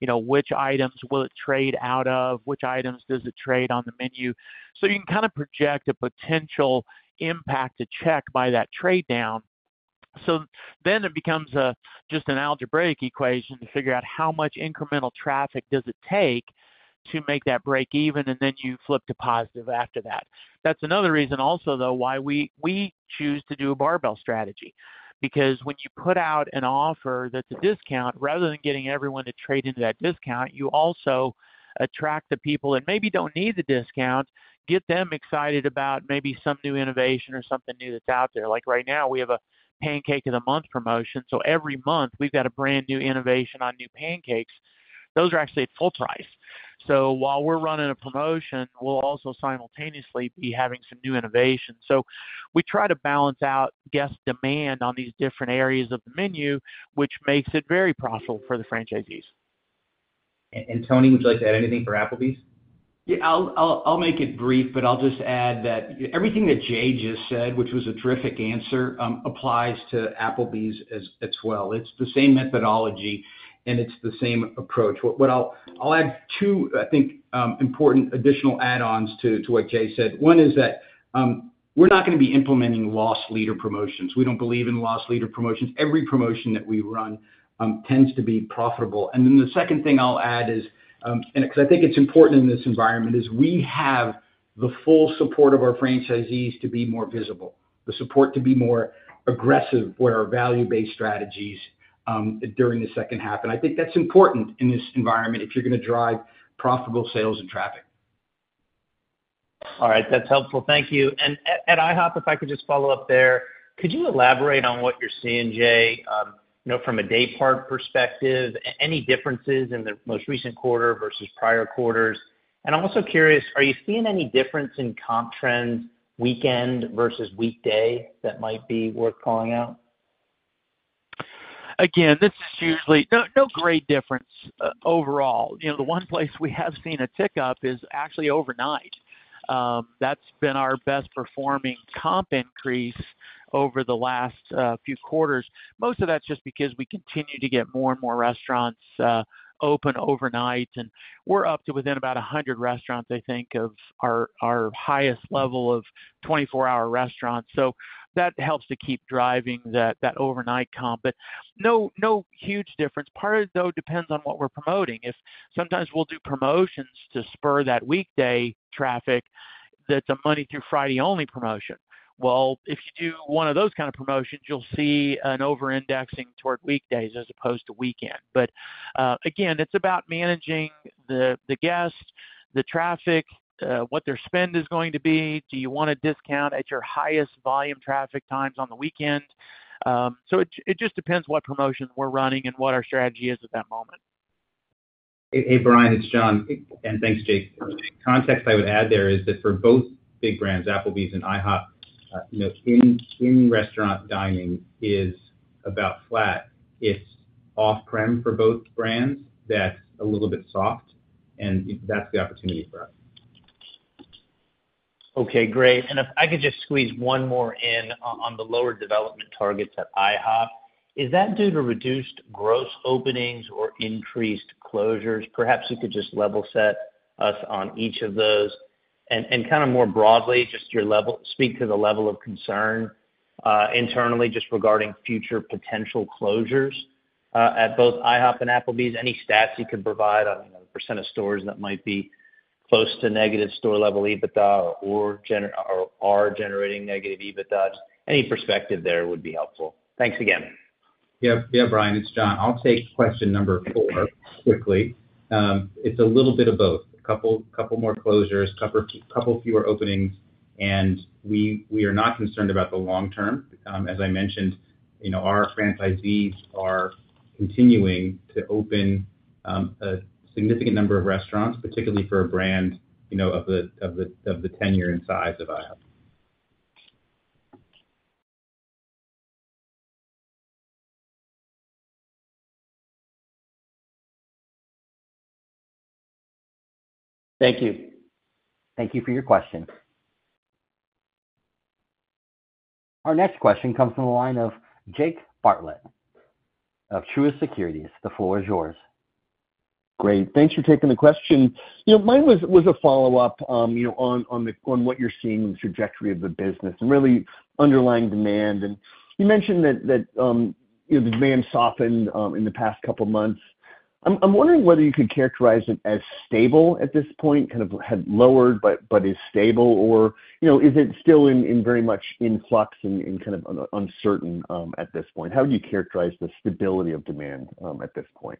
G: You know, which items will it trade out of? Which items does it trade on the menu? So you can kind of project a potential impact to check by that trade down. So then it becomes a, just an algebraic equation to figure out how much incremental traffic does it take to make that break even, and then you flip to positive after that. That's another reason also, though, why we choose to do a barbell strategy. Because when you put out an offer that's a discount, rather than getting everyone to trade into that discount, you also attract the people that maybe don't need the discount, get them excited about maybe some new innovation or something new that's out there. Like right now, we have a Pancake of the Month promotion, so every month we've got a brand-new innovation on new pancakes. Those are actually at full price. So while we're running a promotion, we'll also simultaneously be having some new innovations. So we try to balance out guest demand on these different areas of the menu, which makes it very profitable for the franchisees.
J: Tony, would you like to add anything for Applebee's?
E: Yeah, I'll make it brief, but I'll just add that everything that Jay just said, which was a terrific answer, applies to Applebee's as well. It's the same methodology, and it's the same approach. What I'll add two, I think, important additional add-ons to what Jay said. One is that, we're not going to be implementing loss leader promotions. We don't believe in loss leader promotions. Every promotion that we run tends to be profitable. And then the second thing I'll add is, and because I think it's important in this environment, is we have the full support of our franchisees to be more visible, the support to be more aggressive with our value-based strategies during the second half. And I think that's important in this environment if you're going to drive profitable sales and traffic.
G: All right. That's helpful. Thank you. And at IHOP, if I could just follow up there, could you elaborate on what you're seeing, Jay, you know, from a daypart perspective, any differences in the most recent quarter versus prior quarters? And I'm also curious, are you seeing any difference in comp trends, weekend versus weekday, that might be worth calling out? Again, this is usually—no, no great difference overall. You know, the one place we have seen a tick up is actually overnight. That's been our best performing comp increase over the last few quarters. Most of that's just because we continue to get more and more restaurants open overnight, and we're up to within about 100 restaurants, I think, of our highest level of 24-hour restaurants. So that helps to keep driving that overnight comp. But no, no huge difference. Part of it, though, depends on what we're promoting. If sometimes we'll do promotions to spur that weekday traffic, that's a Monday through Friday only promotion. Well, if you do one of those kind of promotions, you'll see an over indexing toward weekdays as opposed to weekend. But, again, it's about managing the, the guests, the traffic, what their spend is going to be. Do you want a discount at your highest volume traffic times on the weekend? So it just depends what promotions we're running and what our strategy is at that moment.
B: Hey, Brian, it's John, and thanks, Jake. The context I would add there is that for both big brands, Applebee's and IHOP, you know, in-restaurant dining is about flat. It's off-premise for both brands that's a little bit soft, and that's the opportunity for us.
J: Okay, great. And if I could just squeeze one more in on the lower development targets at IHOP, is that due to reduced gross openings or increased closures? Perhaps you could just level set us on each of those. And kind of more broadly, just speak to the level of concern internally just regarding future potential closures at both IHOP and Applebee's. Any stats you could provide on the percent of stores that might be close to negative store-level EBITDA or are generating negative EBITDAs? Any perspective there would be helpful. Thanks again.
B: Yeah. Yeah, Brian, it's John. I'll take question number 4 quickly. It's a little bit of both. A couple more closures, a couple fewer openings, and we are not concerned about the long term. As I mentioned, you know, our franchisees are continuing to open a significant number of restaurants, particularly for a brand, you know, of the tenure and size of IHOP.
J: Thank you.
A: Thank you for your question. Our next question comes from the line of Jake Bartlett of Truist Securities. The floor is yours.
K: Great. Thanks for taking the question. You know, mine was a follow-up, you know, on what you're seeing in the trajectory of the business and really underlying demand. And you mentioned that, you know, the demand softened in the past couple of months. I'm wondering whether you could characterize it as stable at this point, kind of had lowered, but is stable, or, you know, is it still in very much in Flux and kind of uncertain at this point? How would you characterize the stability of demand at this point? ...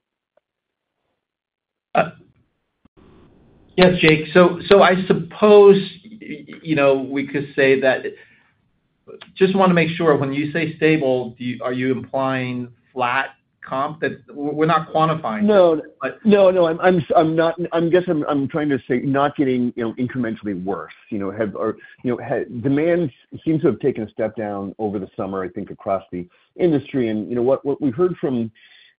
G: Yes, Jake. So, so I suppose, you know, we could say that-- just want to make sure, when you say stable, do you-- are you implying flat comp? That we're, we're not quantifying it.
K: No, no, I'm not. I'm guessing I'm trying to say not getting, you know, incrementally worse, you know, or had demand seems to have taken a step down over the summer, I think, across the industry. And, you know, what we heard from,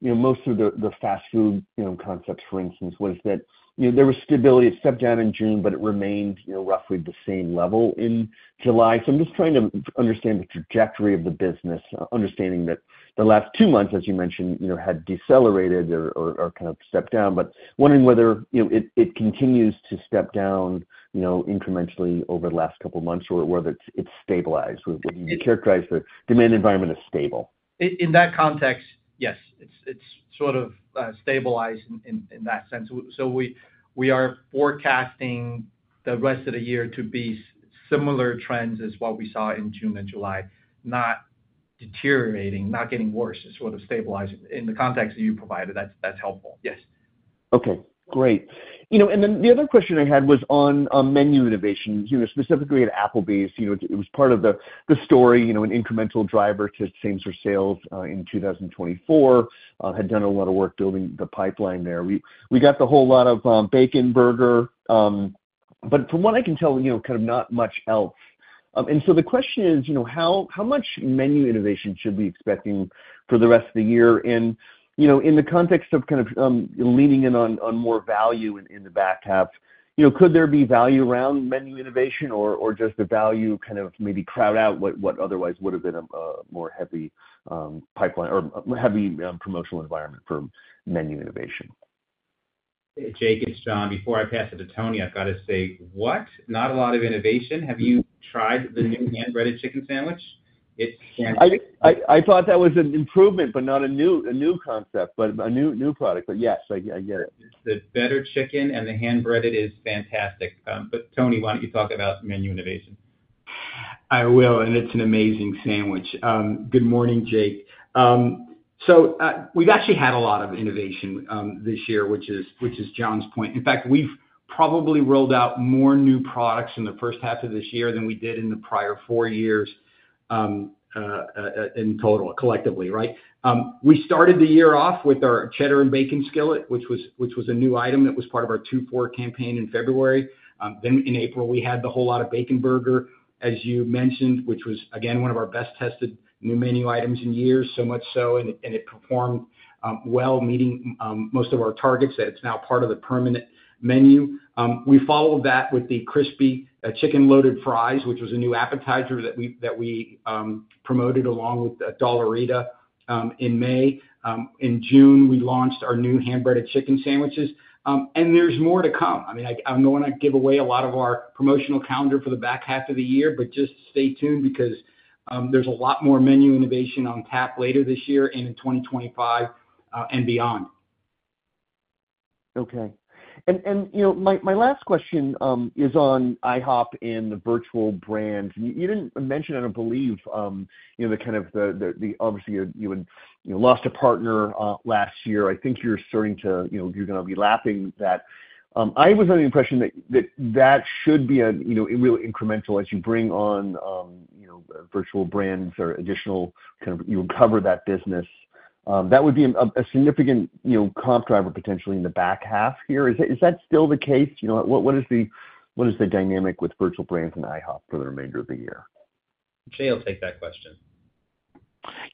K: you know, most of the fast food, you know, concepts, for instance, was that, you know, there was stability. It stepped down in June, but it remained, you know, roughly the same level in July. So I'm just trying to understand the trajectory of the business, understanding that the last two months, as you mentioned, you know, had decelerated or kind of stepped down, but wondering whether, you know, it continues to step down, you know, incrementally over the last couple of months or whether it's stabilized, when you characterize the demand environment as stable.
G: In that context, yes, it's sort of stabilized in that sense. So we are forecasting the rest of the year to be similar trends as what we saw in June and July, not deteriorating, not getting worse. It's sort of stabilizing. In the context that you provided, that's helpful. Yes.
K: Okay, great. You know, and then the other question I had was on menu innovation, you know, specifically at Applebee's. You know, it was part of the story, you know, an incremental driver to same-store sales in 2024, had done a lot of work building the pipeline there. We got the Whole Lotta Bacon Burger, but from what I can tell, you know, kind of not much else. And so the question is, you know, how much menu innovation should we be expecting for the rest of the year? You know, in the context of kind of leaning in on more value in the back half, you know, could there be value around menu innovation or just the value kind of maybe crowd out what otherwise would have been a more heavy pipeline or heavy promotional environment for menu innovation?
B: Jake, it's John. Before I pass it to Tony, I've got to say, what? Not a lot of innovation. Have you tried the new hand-breaded chicken sandwich? It's fantastic.
K: I thought that was an improvement, but not a new concept, but a new product. But yes, I get it.
B: The better chicken and the hand-breaded is fantastic. But Tony, why don't you talk about menu innovation?
E: I will, and it's an amazing sandwich. Good morning, Jake. So, we've actually had a lot of innovation this year, which is, which is John's point. In fact, we've probably rolled out more new products in the first half of this year than we did in the prior 4 years, in total, collectively, right? We started the year off with our Cheddar and Bacon Skillet, which was, which was a new item that was part of our 2-4 campaign in February. Then in April, we had the Whole Lotta Bacon Burger, as you mentioned, which was again, one of our best tested new menu items in years. So much so, and it, and it performed well, meeting most of our targets, that it's now part of the permanent menu. We followed that with the Crispy Chicken Loaded Fries, which was a new appetizer that we promoted along with the Dollarita in May. In June, we launched our new hand-breaded chicken sandwiches. And there's more to come. I mean, I don't want to give away a lot of our promotional calendar for the back half of the year, but just stay tuned because there's a lot more menu innovation on tap later this year and in 2025 and beyond.
K: Okay. And you know, my last question is on IHOP and the virtual brands. You didn't mention, and I believe you know, the kind of, obviously, you know, lost a partner last year. I think you're starting to, you know, you're gonna be lapping that. I was under the impression that that should be a you know, real incremental as you bring on you know, virtual brands or additional kind of... You recover that business. That would be a significant you know, comp driver potentially in the back half here. Is that still the case? You know, what is the dynamic with virtual brands and IHOP for the remainder of the year?
B: Jay, I'll take that question.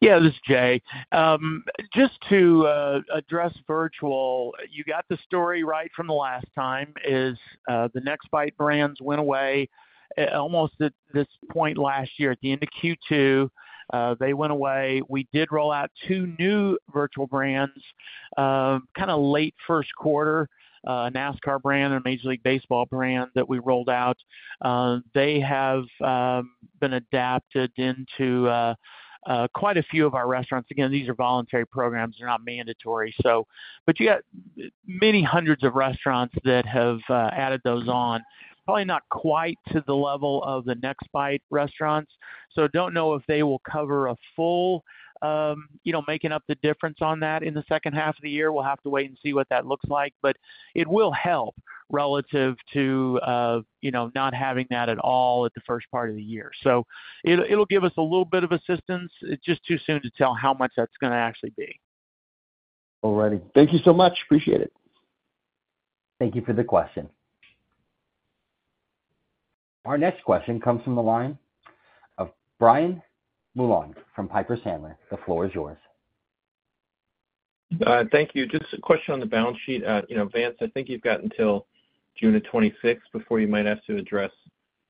G: Yeah, this is Jay. Just to address virtual, you got the story right from the last time is, the Nextbite brands went away, almost at this point last year. At the end of Q2, they went away. We did roll out two new virtual brands, kind of late first quarter, NASCAR brand and Major League Baseball brand that we rolled out. They have been adapted into quite a few of our restaurants. Again, these are voluntary programs. They're not mandatory, so but you got many hundreds of restaurants that have added those on, probably not quite to the level of the Nextbite restaurants. So don't know if they will cover a full, you know, making up the difference on that in the second half of the year. We'll have to wait and see what that looks like, but it will help relative to, you know, not having that at all at the first part of the year. So it'll, it'll give us a little bit of assistance. It's just too soon to tell how much that's gonna actually be.
K: All righty. Thank you so much. Appreciate it.
B: Thank you for the question.
A: Our next question comes from the line of Brian Mullan from Piper Sandler. The floor is yours.
L: Thank you. Just a question on the balance sheet. You know, Vance, I think you've got until June the twenty-sixth before you might have to address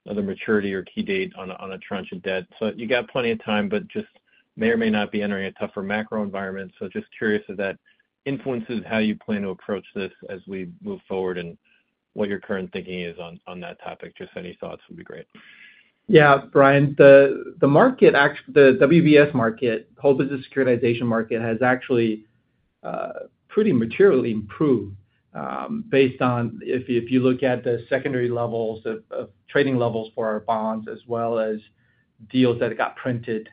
L: the maturity or key date on a, on a tranche of debt. So you got plenty of time, but just may or may not be entering a tougher macro environment. So just curious if that influences how you plan to approach this as we move forward and what your current thinking is on, on that topic. Just any thoughts would be great.
C: Yeah, Brian, the WBS market, whole business securitization market, has actually pretty materially improved, based on if you look at the secondary levels of trading levels for our bonds, as well as- Deals that got printed,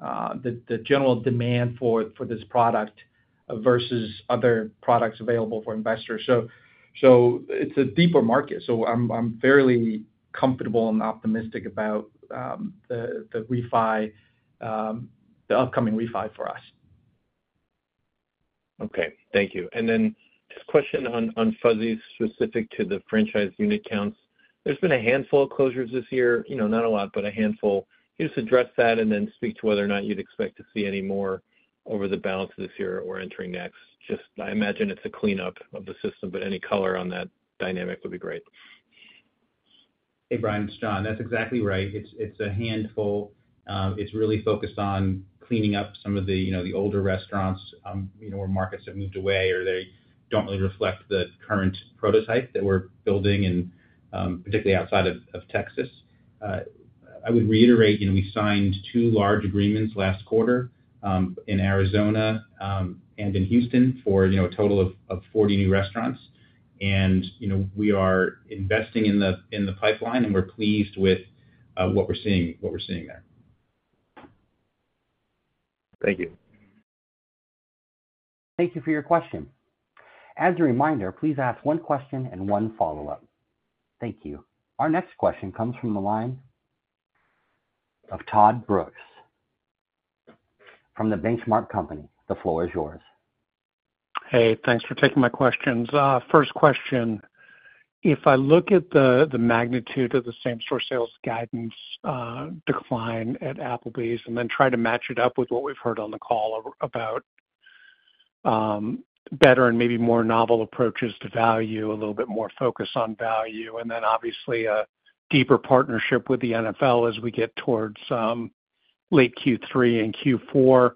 C: the general demand for this product versus other products available for investors. So it's a deeper market, so I'm fairly comfortable and optimistic about the refi, the upcoming refi for us.
L: Okay, thank you. And then just a question on Fuzzy's, specific to the franchise unit counts. There's been a handful of closures this year, you know, not a lot, but a handful. Can you just address that, and then speak to whether or not you'd expect to see any more over the balance of this year or entering next? Just, I imagine it's a cleanup of the system, but any color on that dynamic would be great.
B: Hey, Brian, it's John. That's exactly right. It's a handful. It's really focused on cleaning up some of the, you know, the older restaurants, you know, where markets have moved away or they don't really reflect the current prototype that we're building and, particularly outside of Texas. I would reiterate, you know, we signed 2 large agreements last quarter, in Arizona, and in Houston for, you know, a total of 40 new restaurants. And, you know, we are investing in the pipeline, and we're pleased with what we're seeing, what we're seeing there.
L: Thank you.
A: Thank you for your question. As a reminder, please ask one question and one follow-up. Thank you. Our next question comes from the line of Todd Brooks from The Benchmark Company. The floor is yours.
M: Hey, thanks for taking my questions. First question: if I look at the magnitude of the same-store sales guidance decline at Applebee's, and then try to match it up with what we've heard on the call about better and maybe more novel approaches to value, a little bit more focus on value, and then obviously a deeper partnership with the NFL as we get towards late Q3 and Q4,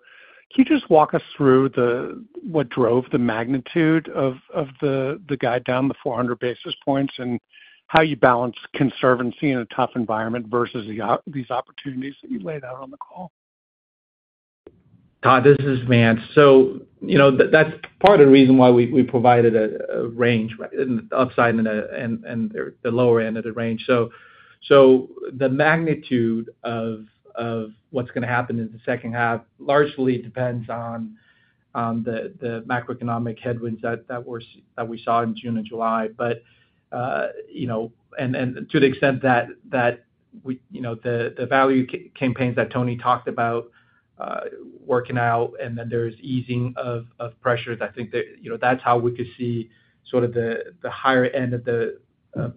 M: can you just walk us through what drove the magnitude of the guide down 400 basis points, and how you balance conservancy in a tough environment versus these opportunities that you laid out on the call?
C: Todd, this is Vance. So, you know, that's part of the reason why we provided a range, right, in the upside and the lower end of the range. So the magnitude of what's gonna happen in the second half largely depends on the macroeconomic headwinds that we saw in June and July. But, you know, and then to the extent that we-- you know, the value campaigns that Tony talked about working out, and then there's easing of pressures, I think that, you know, that's how we could see sort of the higher end of the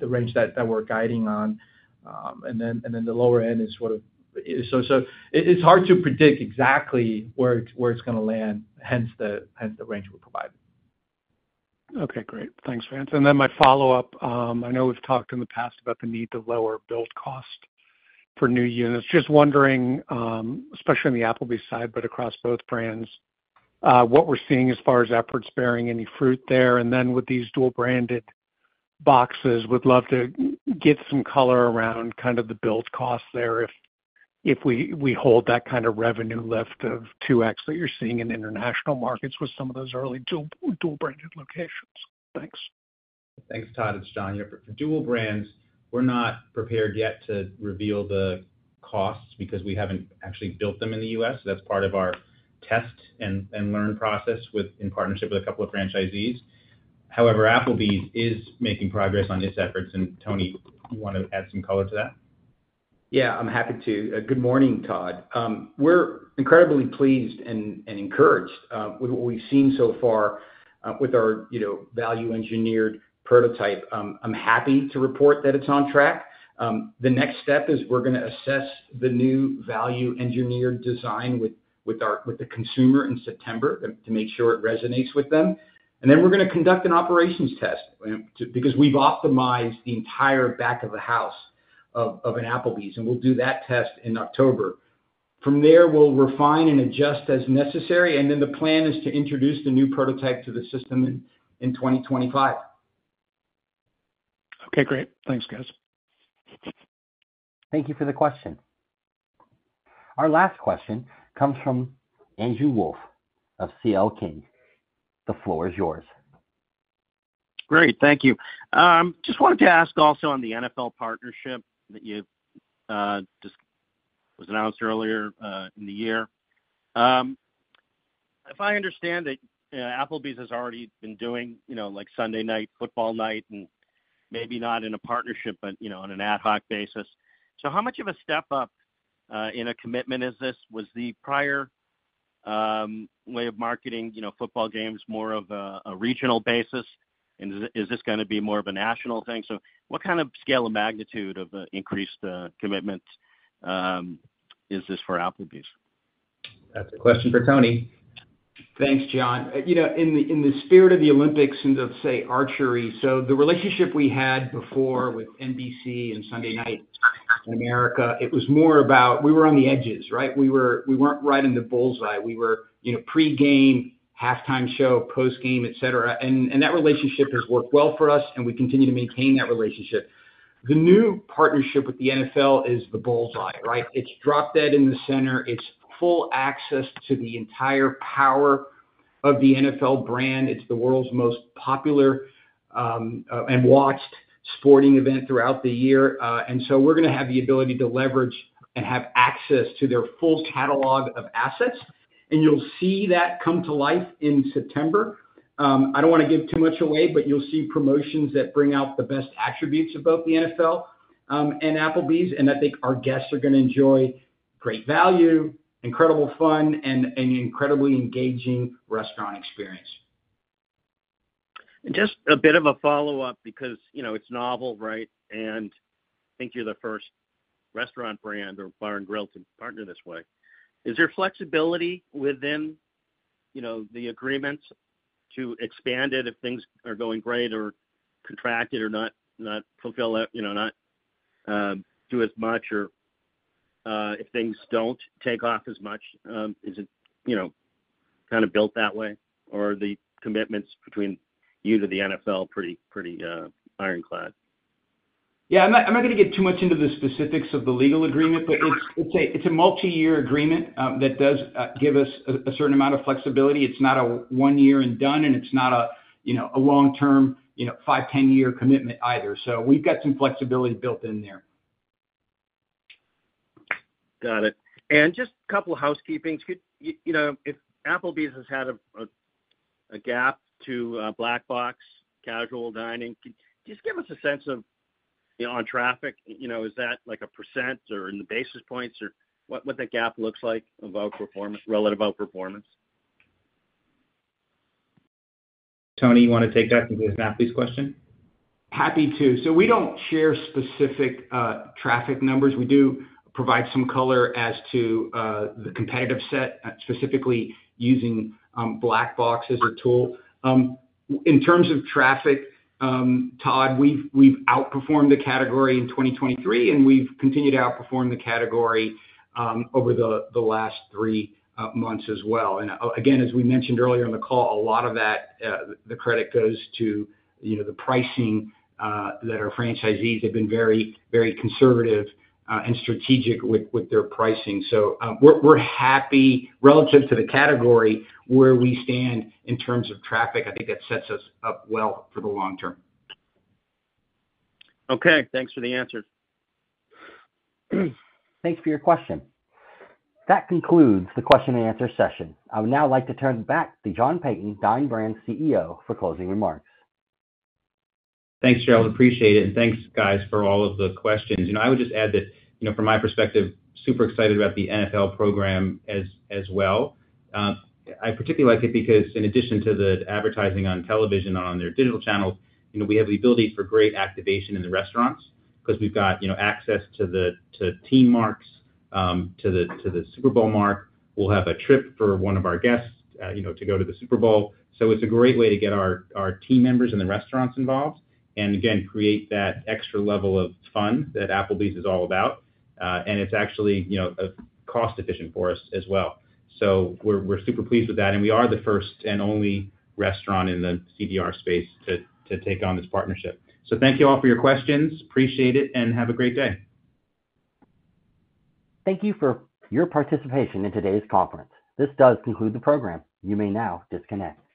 C: range that we're guiding on. And then the lower end is sort of... So, it's hard to predict exactly where it's gonna land, hence the range we're providing.
M: Okay, great. Thanks, Vance. And then my follow-up, I know we've talked in the past about the need to lower build cost for new units. Just wondering, especially on the Applebee's side, but across both brands, what we're seeing as far as efforts bearing any fruit there, and then with these dual-branded boxes, would love to get some color around kind of the build cost there if we hold that kind of revenue lift of 2x that you're seeing in international markets with some of those early dual-branded locations. Thanks.
B: Thanks, Todd. It's John here. For dual brands, we're not prepared yet to reveal the costs because we haven't actually built them in the U.S. So that's part of our test and learn process within partnership with a couple of franchisees. However, Applebee's is making progress on its efforts, and Tony, you want to add some color to that?
E: Yeah, I'm happy to. Good morning, Todd. We're incredibly pleased and encouraged with what we've seen so far with our, you know, value engineered prototype. I'm happy to report that it's on track. The next step is we're gonna assess the new value engineered design with the consumer in September to make sure it resonates with them. And then we're gonna conduct an operations test to, because we've optimized the entire back of the house of an Applebee's, and we'll do that test in October. From there, we'll refine and adjust as necessary, and then the plan is to introduce the new prototype to the system in 2025.
M: Okay, great. Thanks, guys.
A: Thank you for the question. Our last question comes from Andrew Wolf of CL King. The floor is yours.
N: Great, thank you. Just wanted to ask also on the NFL partnership that you just was announced earlier in the year. If I understand it, Applebee's has already been doing, you know, like, Sunday Night Football night and maybe not in a partnership, but, you know, on an ad hoc basis. So how much of a step up in a commitment is this? Was the prior way of marketing, you know, football games more of a regional basis? And is this gonna be more of a national thing? So what kind of scale of magnitude of increased commitment is this for Applebee's?
B: That's a question for Tony.
E: Thanks, John. You know, in the spirit of the Olympics and of, say, archery, so the relationship we had before with NBC and Sunday Night in America, it was more about we were on the edges, right? We weren't right in the bull's eye. We were, you know, pre-game, halftime show, post-game, et cetera. And that relationship has worked well for us, and we continue to maintain that relationship. The new partnership with the NFL is the bull's eye, right? It's drop dead in the center. It's full access to the entire power of the NFL brand. It's the world's most popular and watched sporting event throughout the year. And so we're gonna have the ability to leverage and have access to their full catalog of assets, and you'll see that come to life in September. I don't wanna give too much away, but you'll see promotions that bring out the best attributes about the NFL, and Applebee's, and I think our guests are gonna enjoy great value, incredible fun, and incredibly engaging restaurant experience.
N: Just a bit of a follow-up, because, you know, it's novel, right? I think you're the first restaurant brand or bar and grill to partner this way. Is there flexibility within, you know, the agreements to expand it if things are going great, or contract it or not fulfill it, you know, not do as much or if things don't take off as much? Is it, you know, kind of built that way, or are the commitments between you to the NFL pretty ironclad?
E: Yeah. I'm not gonna get too much into the specifics of the legal agreement, but it's a multiyear agreement that does give us a certain amount of flexibility. It's not a 1-year and done, and it's not a, you know, a long-term, you know, 5-10-year commitment either. So we've got some flexibility built in there.
N: Got it. And just a couple of housekeepings. Could you know, if Applebee's has had a gap to Black Box, casual dining, could just give us a sense of, you know, on traffic, you know, is that like a percent or in the basis points, or what, what that gap looks like about performance, relative about performance?
B: Tony, you wanna take that because it's an Applebee's question?
E: Happy to. So we don't share specific traffic numbers. We do provide some color as to the competitive set specifically using Black Box as a tool. In terms of traffic, Todd, we've outperformed the category in 2023, and we've continued to outperform the category over the last three months as well. And again, as we mentioned earlier in the call, a lot of that the credit goes to, you know, the pricing that our franchisees have been very, very conservative and strategic with their pricing. So we're happy relative to the category where we stand in terms of traffic. I think that sets us up well for the long term.
M: Okay, thanks for the answers.
A: Thanks for your question. That concludes the question and answer session. I would now like to turn back to John Peyton, Dine Brands CEO, for closing remarks.
E: Thanks, Gerald, appreciate it, and thanks, guys, for all of the questions. You know, I would just add that, you know, from my perspective, super excited about the NFL program as well. I particularly like it because in addition to the advertising on television and on their digital channels, you know, we have the ability for great activation in the restaurants because we've got, you know, access to the, to team marks, to the, to the Super Bowl mark. We'll have a trip for one of our guests, you know, to go to the Super Bowl. So it's a great way to get our, our team members in the restaurants involved, and again, create that extra level of fun that Applebee's is all about. And it's actually, you know, cost efficient for us as well. So we're super pleased with that, and we are the first and only restaurant in the CDR space to take on this partnership. So thank you all for your questions. Appreciate it, and have a great day.
A: Thank you for your participation in today's conference. This does conclude the program. You may now disconnect.